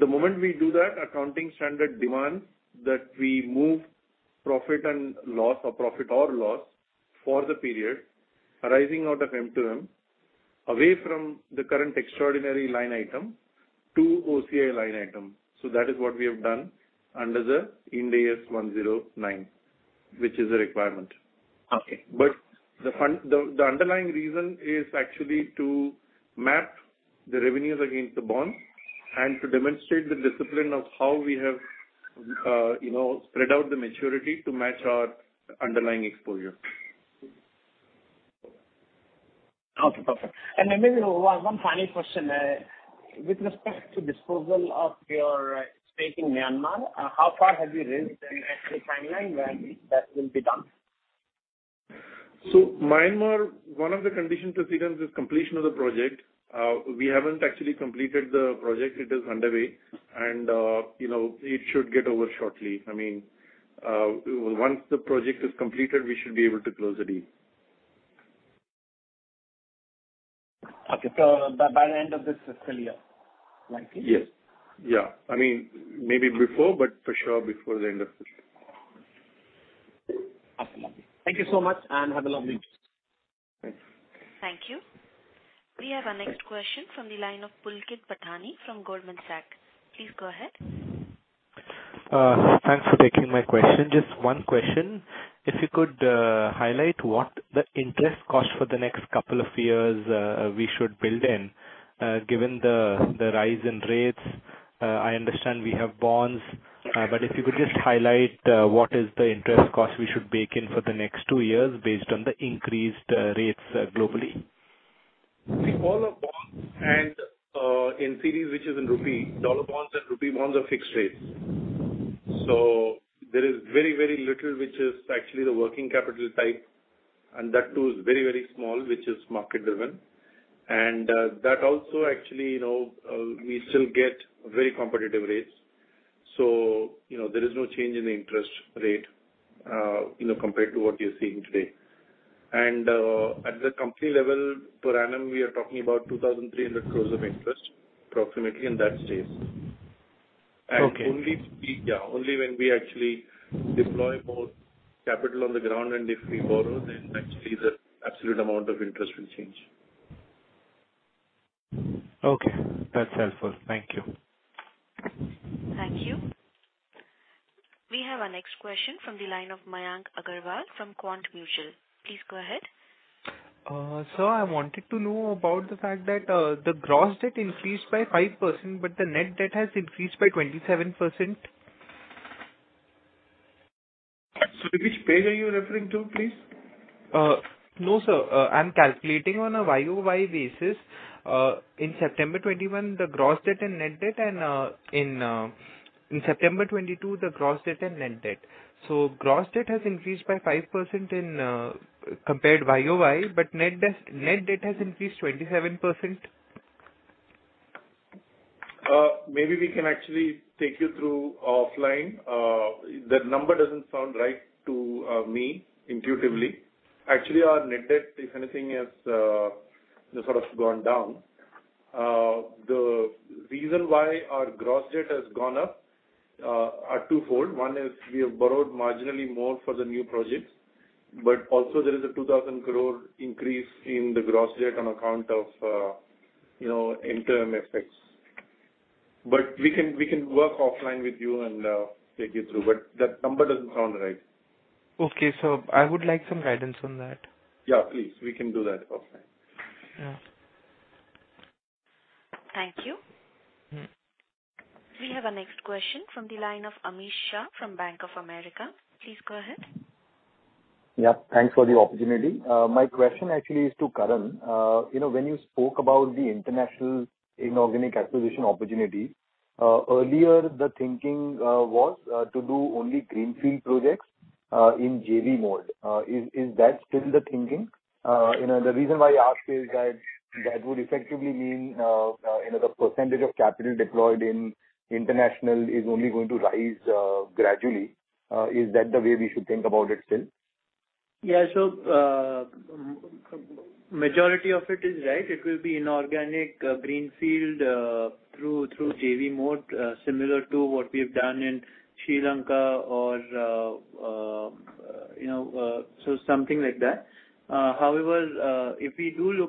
The moment we do that, accounting standard demands that we move profit and loss for the period arising out of MTM away from the current extraordinary line item to OCI line item. That is what we have done under the Ind AS 109, which is a requirement. Okay. The underlying reason is actually to map the revenues against the bond and to demonstrate the discipline of how we have, you know, spread out the maturity to match our underlying exposure. Okay, perfect. Maybe one final question. With respect to disposal of your stake in Myanmar, how far have you revised timeline when that will be done? Myanmar, one of the conditions precedent is completion of the project. We haven't actually completed the project. It is underway. You know, it should get over shortly. I mean, once the project is completed, we should be able to close the deal. Okay. By the end of this fiscal year, likely? Yes. Yeah. I mean, maybe before, but for sure before the end of fiscal. Awesome. Thank you so much, and have a lovely week. Thanks. Thank you. We have our next question from the line of Pulkit Patni from Goldman Sachs. Please go ahead. Thanks for taking my question. Just one question. If you could highlight what the interest cost for the next couple of years we should build in, given the rise in rates. I understand we have bonds, but if you could just highlight what is the interest cost we should bake in for the next two years based on the increased rates globally. We all have bonds and in CDs which are in rupees. Dollar bonds and rupee bonds are fixed rates. There is very, very little which is actually the working capital type, and that too is very, very small, which is market-driven. That also actually, you know, we still get very competitive rates. You know, there is no change in the interest rate, you know, compared to what you're seeing today. At the company level per annum, we are talking about 2,300 crores of interest approximately in that space. Okay. Only when we actually deploy more capital on the ground, and if we borrow, then actually the absolute amount of interest will change. Okay, that's helpful. Thank you. Thank you. We have our next question from the line of Mayank Agarwal from Trust Mutual. Please go ahead. Sir, I wanted to know about the fact that the gross debt increased by 5%, but the net debt has increased by 27%. Sorry, which page are you referring to, please? No, sir. I'm calculating on a YOY basis. In September 2021, the gross debt and net debt, and in September 2022, the gross debt and net debt. Gross debt has increased by 5% compared YOY, but net debt has increased 27%. Maybe we can actually take you through offline. That number doesn't sound right to me intuitively. Actually, our net debt, if anything, has sort of gone down. The reason why our gross debt has gone up are twofold. One is we have borrowed marginally more for the new projects, but also there is a 2,000 crores increase in the gross debt on account of you know, interim effects. We can work offline with you and take you through. That number doesn't sound right. Okay. I would like some guidance on that. Yeah, please. We can do that offline. Yeah. Thank you. Mm-hmm. We have our next question from the line of Amish Shah from Bank of America. Please go ahead. Yeah, thanks for the opportunity. My question actually is to Karan. You know, when you spoke about the international inorganic acquisition opportunity, earlier the thinking was to do only greenfield projects in JV mode. Is that still the thinking? You know, the reason why I ask is that that would effectively mean, you know, the percentage of capital deployed in international is only going to rise gradually. Is that the way we should think about it still? Majority of it is right. It will be inorganic greenfield through JV mode similar to what we have done in Sri Lanka or you know something like that. However, if we do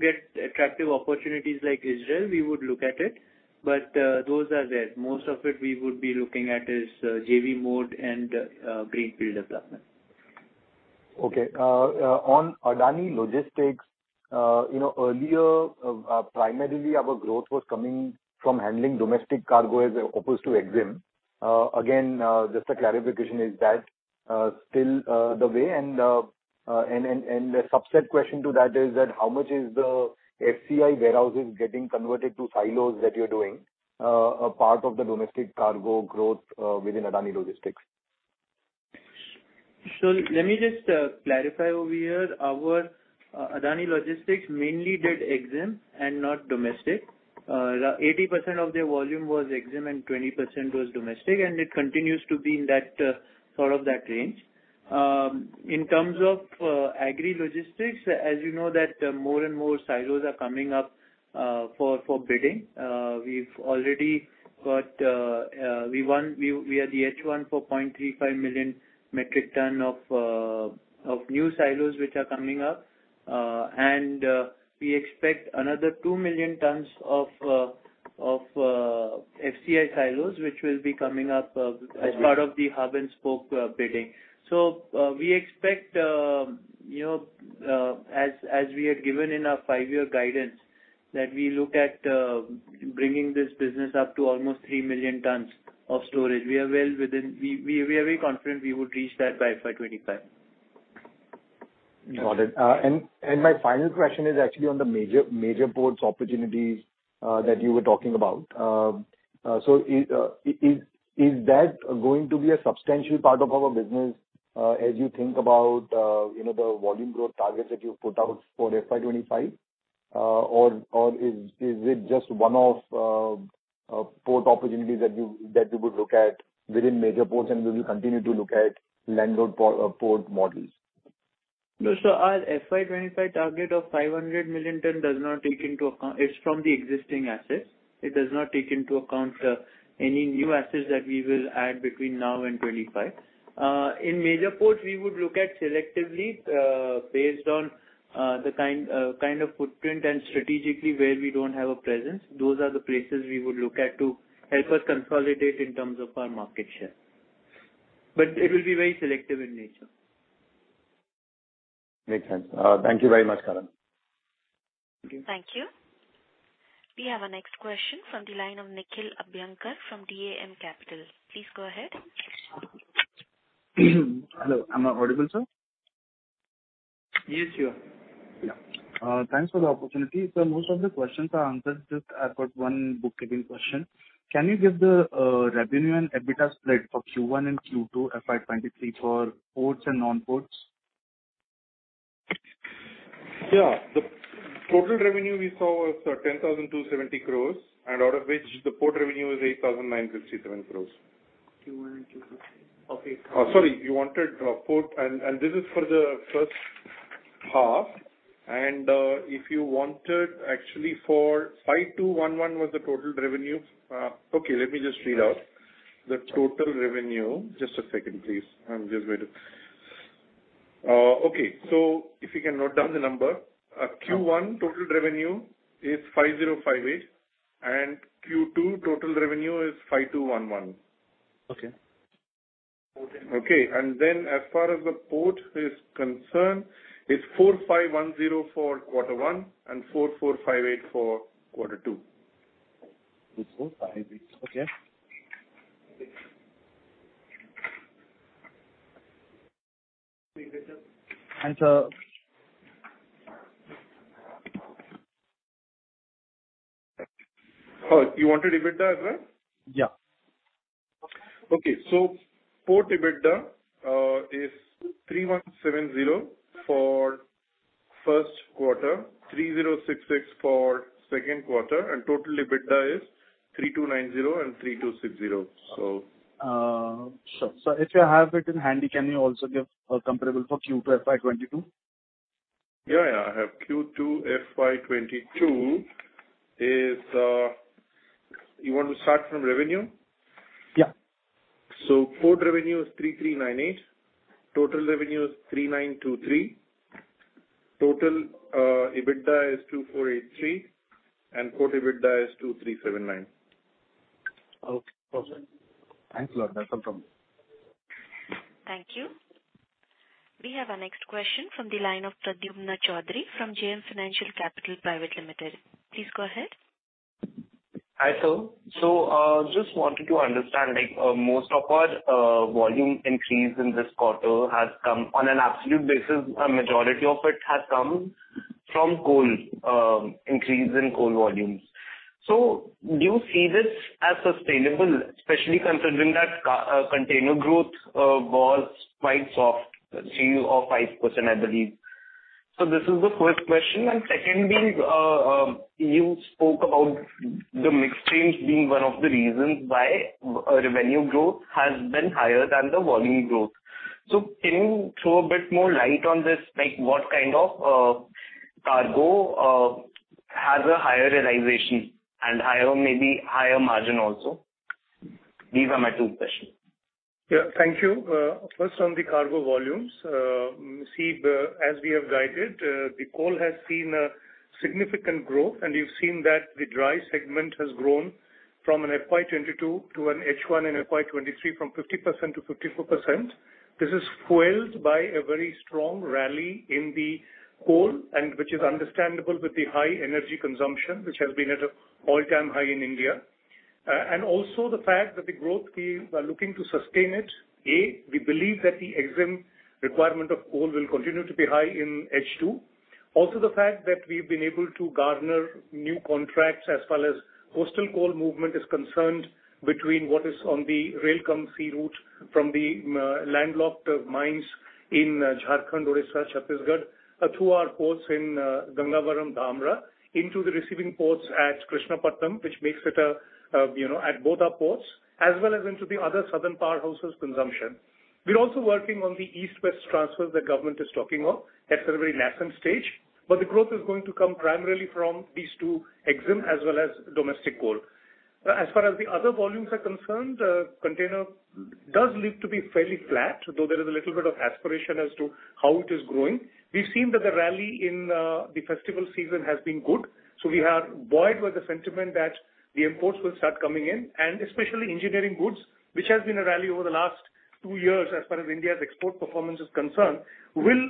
get attractive opportunities like Israel, we would look at it, but those are rare. Most of it we would be looking at is JV mode and greenfield development. Okay. On Adani Logistics, you know, earlier, primarily our growth was coming from handling domestic cargo as opposed to EXIM. Again, just a clarification, is that still the way and a subset question to that is that how much is the FCI warehouses getting converted to silos that you're doing a part of the domestic cargo growth within Adani Logistics? Let me just clarify over here. Our Adani Logistics mainly did exim and not domestic. 80% of their volume was exim and 20% was domestic, and it continues to be in that sort of that range. In terms of agri logistics, as you know that more and more silos are coming up for bidding. We are the H1 for 0.35 million metric tons of new silos which are coming up. We expect another 2 million tons of FCI silos, which will be coming up as part of the hub-and-spoke bidding. We expect, you know, as we have given in our five-year guidance that we look at bringing this business up to almost 3 million tons of storage. We are very confident we would reach that by FY 2025. Got it. My final question is actually on the major ports opportunities that you were talking about. Is that going to be a substantial part of our business as you think about you know the volume growth targets that you've put out for FY 2025? Is it just one-off port opportunities that you would look at within major ports and will you continue to look at landlord port models? No. Our FY 2025 target of 500 million tons is from the existing assets. It does not take into account any new assets that we will add between now and 2025. In major ports, we would look at selectively based on the kind of footprint and strategically where we don't have a presence. Those are the places we would look at to help us consolidate in terms of our market share. It will be very selective in nature. Makes sense. Thank you very much, Karan. Thank you. Thank you. We have our next question from the line of Nikhil Abhyankar from DAM Capital. Please go ahead. Hello, am I audible, sir? Yes, you are. Thanks for the opportunity. Most of the questions are answered. Just, I've got one bookkeeping question. Can you give the revenue and EBITDA split for Q1 and Q2 FY 2023 for ports and non-ports? The total revenue we saw was 10,270 crores, and out of which the port revenue was 8,957 crores. Q1 and Q2. Okay. Sorry. You wanted. This is for the first half. If you wanted actually for 5,211 was the total revenue. Okay, let me just read out. Just a second, please. Okay. If you can note down the number. Q1 total revenue is 5,058, and Q2 total revenue is 5,211. Okay. Okay. As far as the port is concerned, it's 4,510 for quarter one and 4,458 for quarter two. It's 458. Okay. Sir. Oh, you want EBITDA as well? Yeah. Port EBITDA is 3,170 for first quarter, 3,066 for second quarter, and total EBITDA is 3,290 and 3,260. If you have it in handy, can you also give a comparable for Q2 FY 2022? Yeah, yeah. I have Q2 FY 2022 is. You want to start from revenue? Yeah. Port revenue is 3,398. Total revenue is 3,923. Total EBITDA is 2,483, and port EBITDA is 2,379. Okay. Perfect. Thanks a lot. That's all from me. Thank you. We have our next question from the line of Pradyumna Choudhary from JM Financial Capital Private Limited. Please go ahead. Hi, sir. Just wanted to understand, like, most of our volume increase in this quarter has come on an absolute basis, a majority of it has come from coal, increase in coal volumes. Do you see this as sustainable, especially considering that container growth was quite soft, 3%-5%, I believe. This is the first question. Secondly, you spoke about the mix change being one of the reasons why revenue growth has been higher than the volume growth. Can you throw a bit more light on this? Like, what kind of cargo has a higher realization and higher, maybe higher margin also? These are my two questions. Yeah. Thank you. First on the cargo volumes. See, as we have guided, the coal has seen a significant growth, and you've seen that the dry segment has grown from FY 2022 to H1 in FY 2023, from 50% to 54%. This is fueled by a very strong rally in the coal, which is understandable with the high energy consumption, which has been at an all-time high in India. And also the fact that the growth we are looking to sustain it. We believe that the import requirement of coal will continue to be high in H2. Also, the fact that we've been able to garner new contracts as far as coastal coal movement is concerned between what is on the rail-cum-sea route from the landlocked mines in Jharkhand, Odisha, Chhattisgarh to our ports in Gangavaram, Dhamra into the receiving ports at Krishnapatnam, which makes it a, you know, at both our ports as well as into the other southern powerhouses consumption. We're also working on the east-west transfer the government is talking of. That's at a very nascent stage. The growth is going to come primarily from these two: import as well as domestic coal. As far as the other volumes are concerned, container does look to be fairly flat, though there is a little bit of aspiration as to how it is growing. We've seen that the rally in the festival season has been good, so we are buoyed with the sentiment that the imports will start coming in, and especially engineering goods, which has been a rally over the last two years as far as India's export performance is concerned, will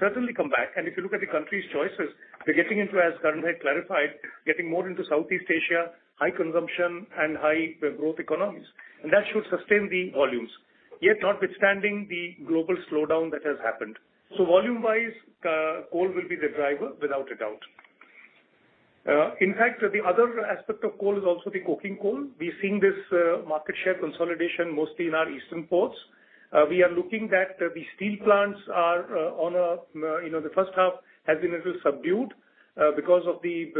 certainly come back. If you look at the country's choices, we're getting into, as Karan has clarified, getting more into Southeast Asia, high consumption and high growth economies. That should sustain the volumes. Yet notwithstanding the global slowdown that has happened. Volume-wise, coal will be the driver without a doubt. In fact, the other aspect of coal is also the coking coal. We're seeing this market share consolidation mostly in our eastern ports. We are looking that the steel plants are, you know, the first half has been a little subdued because of the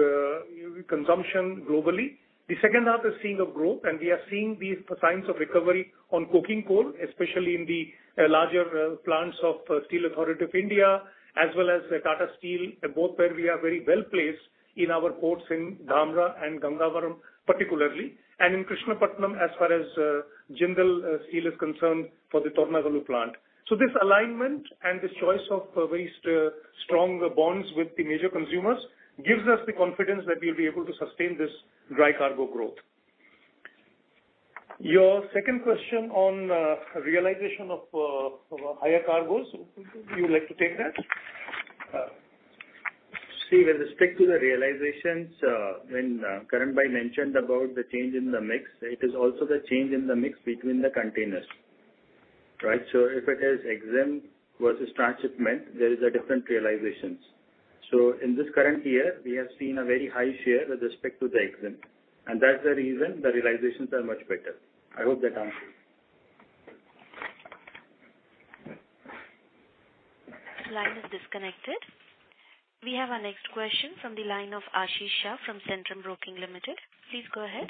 consumption globally. The second half is seeing a growth, and we are seeing these signs of recovery on coking coal, especially in the larger plants of Steel Authority of India as well as Tata Steel, both where we are very well-placed in our ports in Dhamra and Gangavaram particularly, and in Krishnapatnam as far as Jindal Steel is concerned for the Toranagallu plant. This alignment and this choice of very strong bonds with the major consumers gives us the confidence that we'll be able to sustain this dry cargo growth. Your second question on realization of higher cargoes. You would like to take that? See, with respect to the realizations, when Karanbhai mentioned about the change in the mix, it is also the change in the mix between the containers. Right. If it is exempt versus transshipment, there is a different realizations. In this current year, we have seen a very high share with respect to the exempt. That's the reason the realizations are much better. I hope that answers. Line is disconnected. We have our next question from the line of Ashish Shah from Centrum Broking Limited. Please go ahead.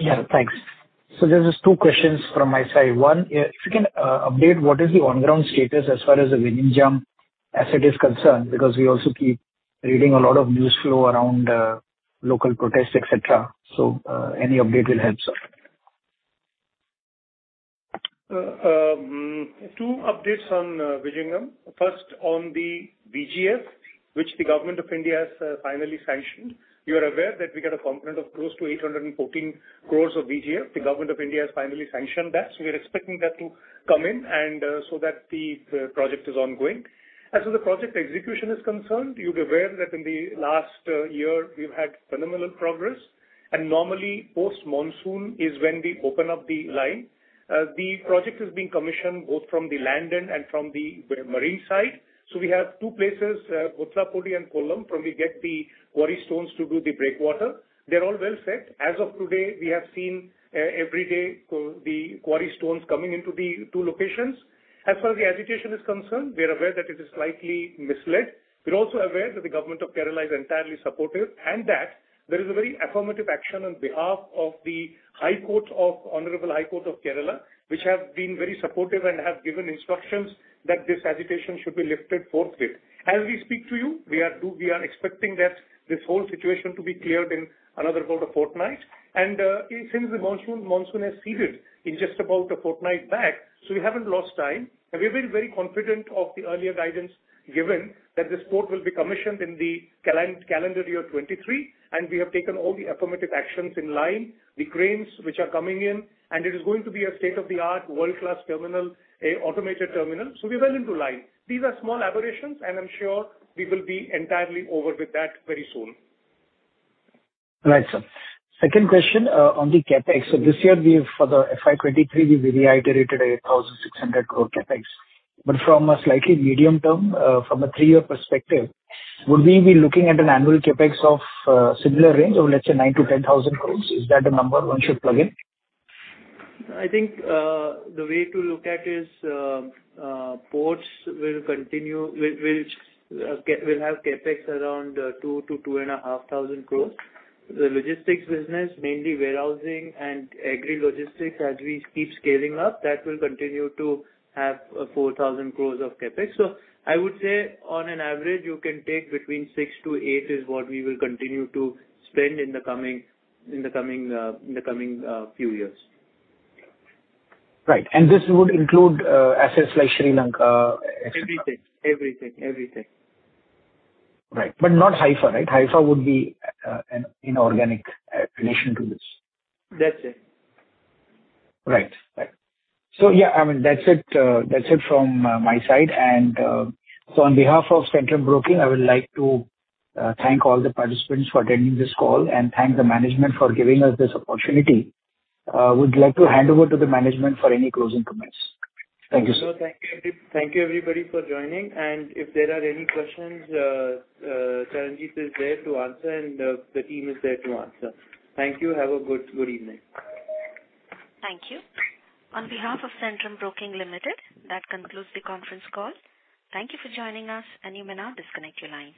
Yeah, thanks. There's just two questions from my side. One, if you can update what is the on-ground status as far as the Vizhinjam asset is concerned, because we also keep reading a lot of news flow around local protests, et cetera. Any update will help, sir. Two updates on Vizhinjam. First, on the VGF, which the Government of India has finally sanctioned. You are aware that we got a component of close to 814 crores of VGF. The Government of India has finally sanctioned that. We are expecting that to come in and, so that the project is ongoing. As far as the project execution is concerned, you're aware that in the last year, we've had phenomenal progress. Normally, post-monsoon is when we open up the line. The project is being commissioned both from the land and from the marine side. We have two places, Ottappathi and Kollam, from where we get the quarry stones to do the breakwater. They're all well set. As of today, we have seen every day the quarry stones coming into the two locations. As far as the agitation is concerned, we are aware that it is slightly misled. We're also aware that the Government of Kerala is entirely supportive, and that there is a very affirmative action on behalf of the High Court of the Honorable High Court of Kerala, which have been very supportive and have given instructions that this agitation should be lifted forthwith. As we speak to you, we are expecting that this whole situation to be cleared in another about a fortnight. Since the monsoon has receded, it's just about a fortnight back, so we haven't lost time. We've been very confident of the earlier guidance given that this port will be commissioned in the calendar year 2023, and we have taken all the affirmative actions in line. The cranes which are coming in, and it is going to be a state-of-the-art world-class terminal, a automated terminal. We're well into line. These are small aberrations, and I'm sure we will be entirely over with that very soon. Right, sir. Second question on the CapEx. This year for the FY 2023, we've reiterated 1,600 crores CapEx. From a slightly medium-term from a three-year perspective, would we be looking at an annual CapEx of similar range of let's say 9,000-10,000 crores? Is that the number one should plug in? I think the way to look at is ports will continue will have CapEx around 2,000-2,500 crores. The logistics business, mainly warehousing and agri logistics, as we keep scaling up, that will continue to have 4,000 crores of CapEx. I would say on average, you can take between 6,000-8,000 crores is what we will continue to spend in the coming few years. Right. This would include assets like Sri Lanka, et cetera. Everything. Right. Not Haifa, right? Haifa would be an inorganic addition to this. That's it. Right. Yeah, I mean, that's it from my side. On behalf of Centrum Broking, I would like to thank all the participants for attending this call and thank the management for giving us this opportunity. Would like to hand over to the management for any closing comments. Thank you, sir. Thank you. Thank you, everybody, for joining. If there are any questions, Charanjit is there to answer, and the team is there to answer. Thank you. Have a good evening. Thank you. On behalf of Centrum Broking Limited, that concludes the conference call. Thank you for joining us, and you may now disconnect your lines.